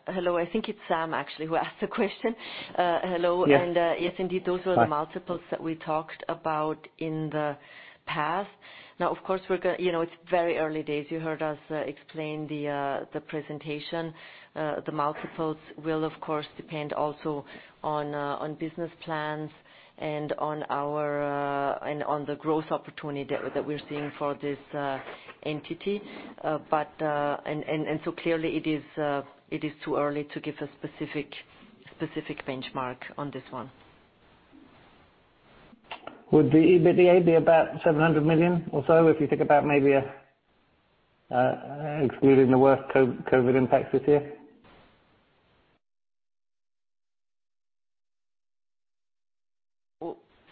highlights. I think it's Sam actually who asked the question. Hello. And yes, indeed, those were the multiples that we talked about in the past. Now, of course, we're going to. It's very early days. You heard us explain the presentation. The multiples will, of course, depend also on business plans and on the growth opportunity that we're seeing for this entity. And so clearly, it is too early to give a specific benchmark on this one. Would the EBITDA be about 700 million or so if you think about maybe excluding the worst COVID impacts this year?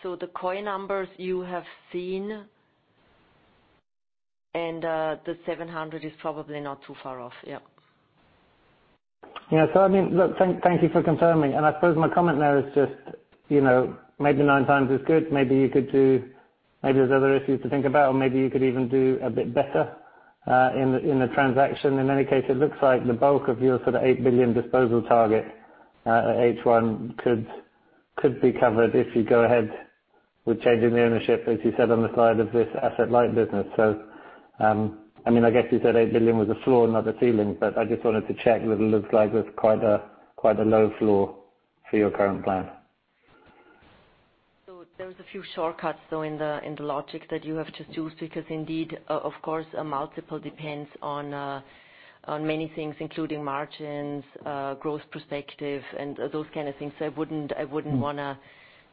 The COI numbers you have seen, and the 700 million is probably not too far off. Yeah. Yeah. So I mean, look, thank you for confirming. And I suppose my comment there is just maybe 9 times is good. Maybe you could do maybe there's other issues to think about, or maybe you could even do a bit better in the transaction. In any case, it looks like the bulk of your sort of 8 billion disposal target at H1 could be covered if you go ahead with changing the ownership, as you said on the slide, of this asset-light business. So I mean, I guess you said 8 billion was a floor, not a ceiling, but I just wanted to check that it looks like there's quite a low floor for your current plan. So there's a few shortcuts though in the logic that you have just used because, indeed, of course, a multiple depends on many things, including margins, growth perspective, and those kind of things. So I wouldn't want to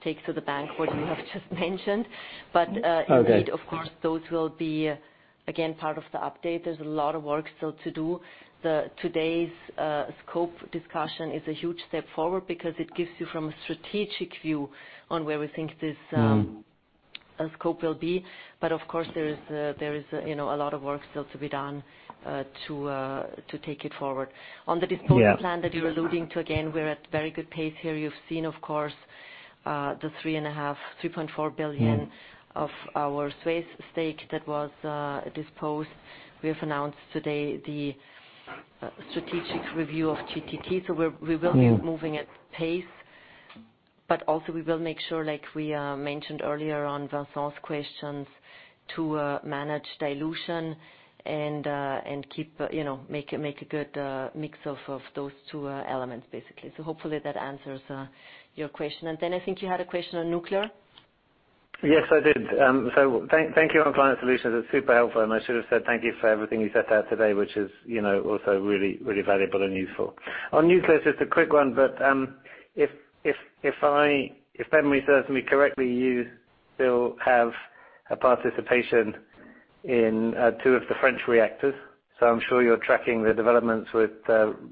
take to the bank what you have just mentioned. But indeed, of course, those will be, again, part of the update. There's a lot of work still to do. Today's scope discussion is a huge step forward because it gives you from a strategic view on where we think this scope will be. But of course, there is a lot of work still to be done to take it forward. On the disposal plan that you're alluding to, again, we're at very good pace here. You've seen, of course, the 3.4 billion of our Suez stake that was disposed. We have announced today the strategic review of GTT. So we will be moving at pace. But also, we will make sure, like we mentioned earlier on Vincent's questions, to manage dilution and make a good mix of those two elements, basically. So hopefully, that answers your question. And then I think you had a question on Nuclear. Yes, I did. So thank you on Client Solutions. It's super helpful. And I should have said thank you for everything you said that today, which is also really, really valuable and useful. On Nuclear, just a quick one. But if Ben researched me correctly, you still have a participation in two of the French reactors. So I'm sure you're tracking the developments with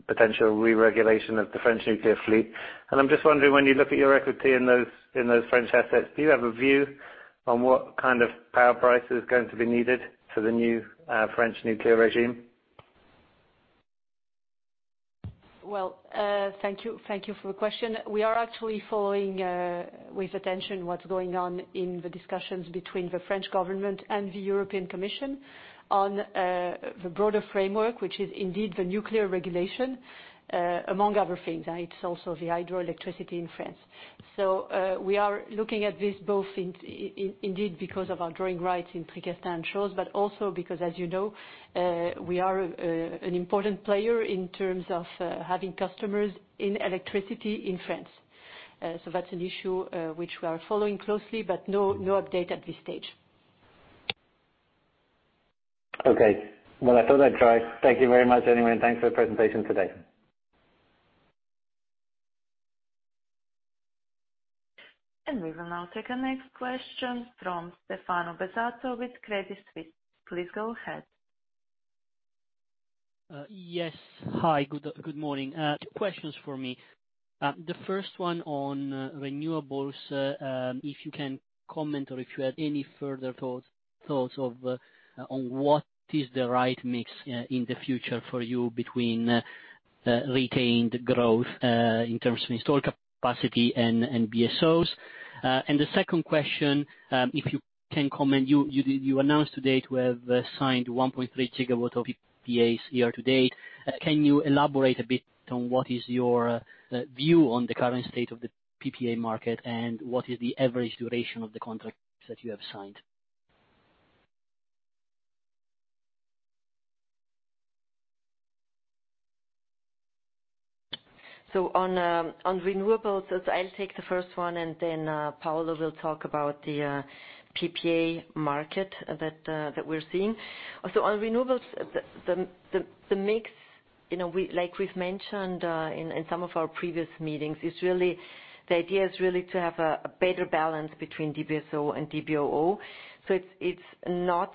potential re-regulation of the French Nuclear fleet. I'm just wondering, when you look at your equity in those French assets, do you have a view on what kind of power price is going to be needed for the new French Nuclear regime? Well, thank you for the question. We are actually following with attention what's going on in the discussions between the French government and the European Commission on the broader framework, which is indeed the Nuclear regulation, among other things. It's also the hydroelectricity in France. So we are looking at this both indeed because of our drawing rights in Tricastin and Chooz, but also because, as you know, we are an important player in terms of having customers in electricity in France. So that's an issue which we are following closely, but no update at this stage. Okay. Well, I thought I'd try. Thank you very much anyway, and thanks for the presentation today. We will now take our next question from Stefano Bezzato with Credit Suisse. Please go ahead. Yes. Hi. Good morning. Two questions for me. The first one on renewables, if you can comment or if you had any further thoughts on what is the right mix in the future for you between retained growth in terms of installed capacity and DBSOs. And the second question, if you can comment, you announced today to have signed 1.3 GW of PPAs year to date. Can you elaborate a bit on what is your view on the current state of the PPA market and what is the average duration of the contracts that you have signed? So on renewables, I'll take the first one, and then Paulo will talk about the PPA market that we're seeing. So on renewables, the mix, like we've mentioned in some of our previous meetings, is really the idea to have a better balance between DBSO and DBOO. So it's not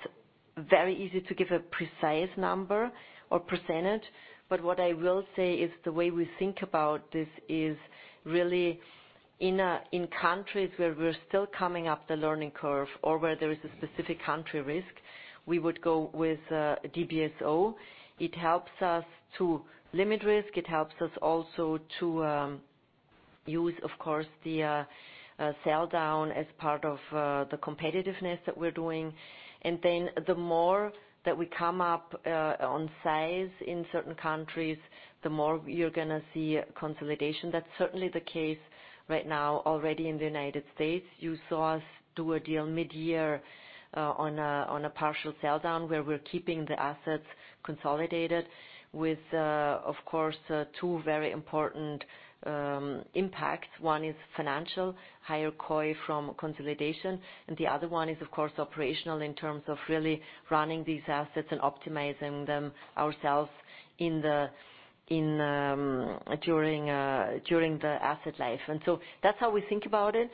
very easy to give a precise number or percentage, but what I will say is the way we think about this is really in countries where we're still coming up the learning curve or where there is a specific country risk, we would go with DBSO. It helps us to limit risk. It helps us also to use, of course, the sell down as part of the competitiveness that we're doing. And then the more that we come up on size in certain countries, the more you're going to see consolidation. That's certainly the case right now already in the United States. You saw us do a deal mid-year on a partial sell down where we're keeping the assets consolidated with, of course, two very important impacts. One is financial, higher COI from consolidation. The other one is, of course, operational in terms of really running these assets and optimizing them ourselves during the asset life. That's how we think about it.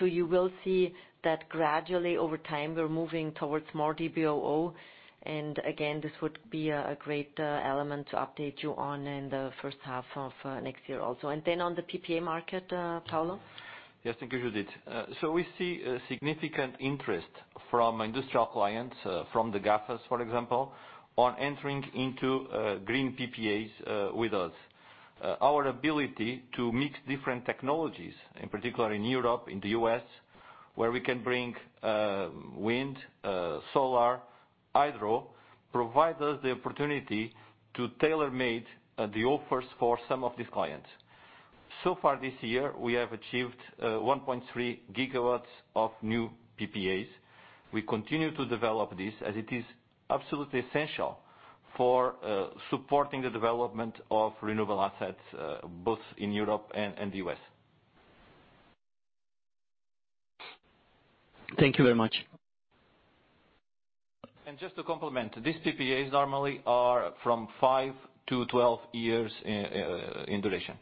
You will see that gradually over time, we're moving towards more DBOO. This would be a great element to update you on in the first half of next year also. On the PPA market, Paulo? Yes, thank you, Judith. We see significant interest from industrial clients, from the GAFAM, for example, on entering into green PPAs with us. Our ability to mix different technologies, in particular in Europe, in the U.S., where we can bring wind, solar, hydro, provides us the opportunity to tailor-make the offers for some of these clients. So far this year, we have achieved 1.3 GW of new PPAs. We continue to develop this as it is absolutely essential for supporting the development of renewable assets both in Europe and the U.S. Thank you very much. And just to complement, these PPAs normally are from five to 12 years in duration.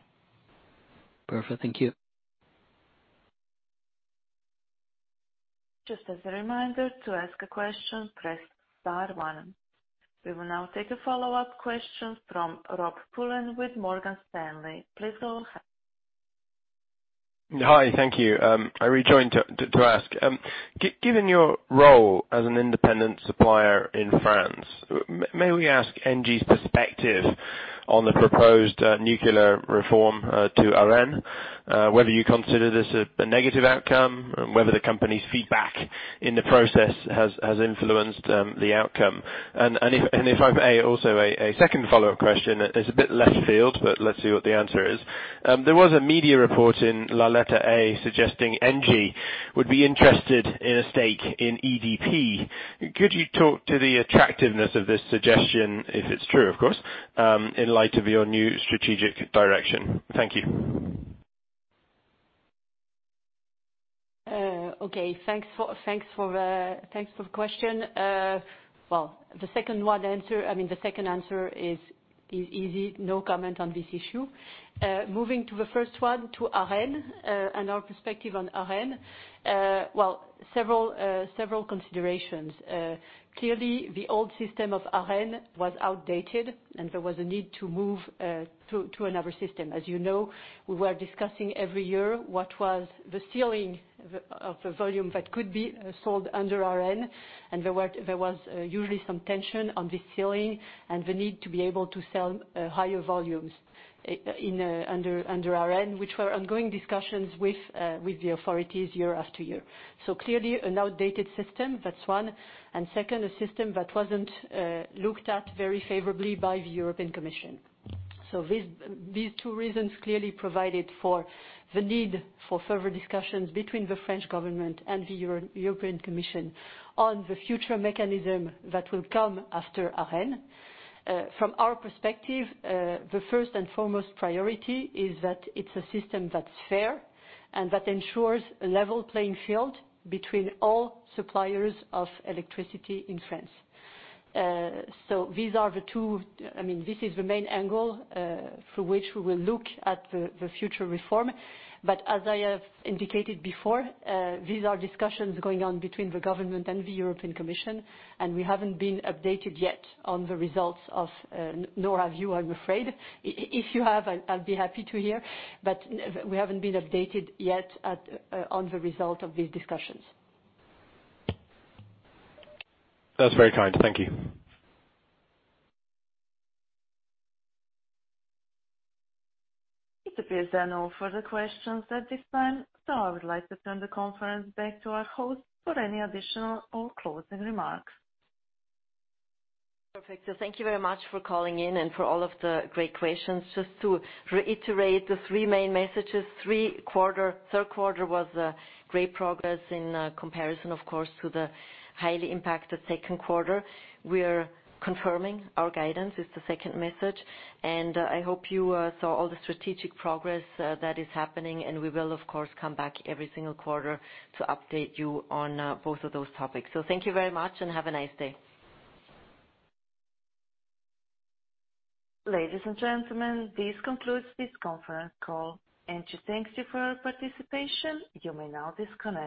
Perfect. Thank you. Just as a reminder to ask a question, press star one. We will now take a follow-up question from Rob Pulleyn with Morgan Stanley. Please go ahead. Hi. Thank you. I rejoined to ask. Given your role as an independent supplier in France, may we ask ENGIE's perspective on the proposed Nuclear reform to ARENH, whether you consider this a negative outcome, whether the company's feedback in the process has influenced the outcome? And if I may, also a second follow-up question. It's a bit left field, but let's see what the answer is. There was a media report in La Lettre A suggesting ENGIE would be interested in a stake in EDP. Could you talk to the attractiveness of this suggestion, if it's true, of course, in light of your new strategic direction? Thank you. Okay. Thanks for the question. Well, the second one answer I mean, the second answer is easy. No comment on this issue. Moving to the first one, to ARENH and our perspective on ARENH. Well, several considerations. Clearly, the old system of ARENH was outdated, and there was a need to move to another system. As you know, we were discussing every year what was the ceiling of the volume that could be sold under ARENH. And there was usually some tension on the ceiling and the need to be able to sell higher volumes under ARENH, which were ongoing discussions with the authorities year after year. So clearly, an outdated system, that's one. And second, a system that wasn't looked at very favorably by the European Commission. So these two reasons clearly provided for the need for further discussions between the French government and the European Commission on the future mechanism that will come after ARENH. From our perspective, the first and foremost priority is that it's a system that's fair and that ensures a level playing field between all suppliers of electricity in France. So these are the two I mean, this is the main angle through which we will look at the future reform. But as I have indicated before, these are discussions going on between the government and the European Commission, and we haven't been updated yet on the results of nor have you, I'm afraid. If you have, I'll be happy to hear. But we haven't been updated yet on the result of these discussions. That's very kind. Thank you. It appears there are no further questions at this time. So I would like to turn the conference back to our host for any additional or closing remarks. Perfect. So thank you very much for calling in and for all of the great questions. Just to reiterate the three main messages. Third quarter was great progress in comparison, of course, to the highly impacted second quarter. We are confirming our guidance is the second message. And I hope you saw all the strategic progress that is happening, and we will, of course, come back every single quarter to update you on both of those topics. So thank you very much and have a nice day. Ladies and gentlemen, this concludes this conference call. ENGIE thanks you for your participation. You may now disconnect.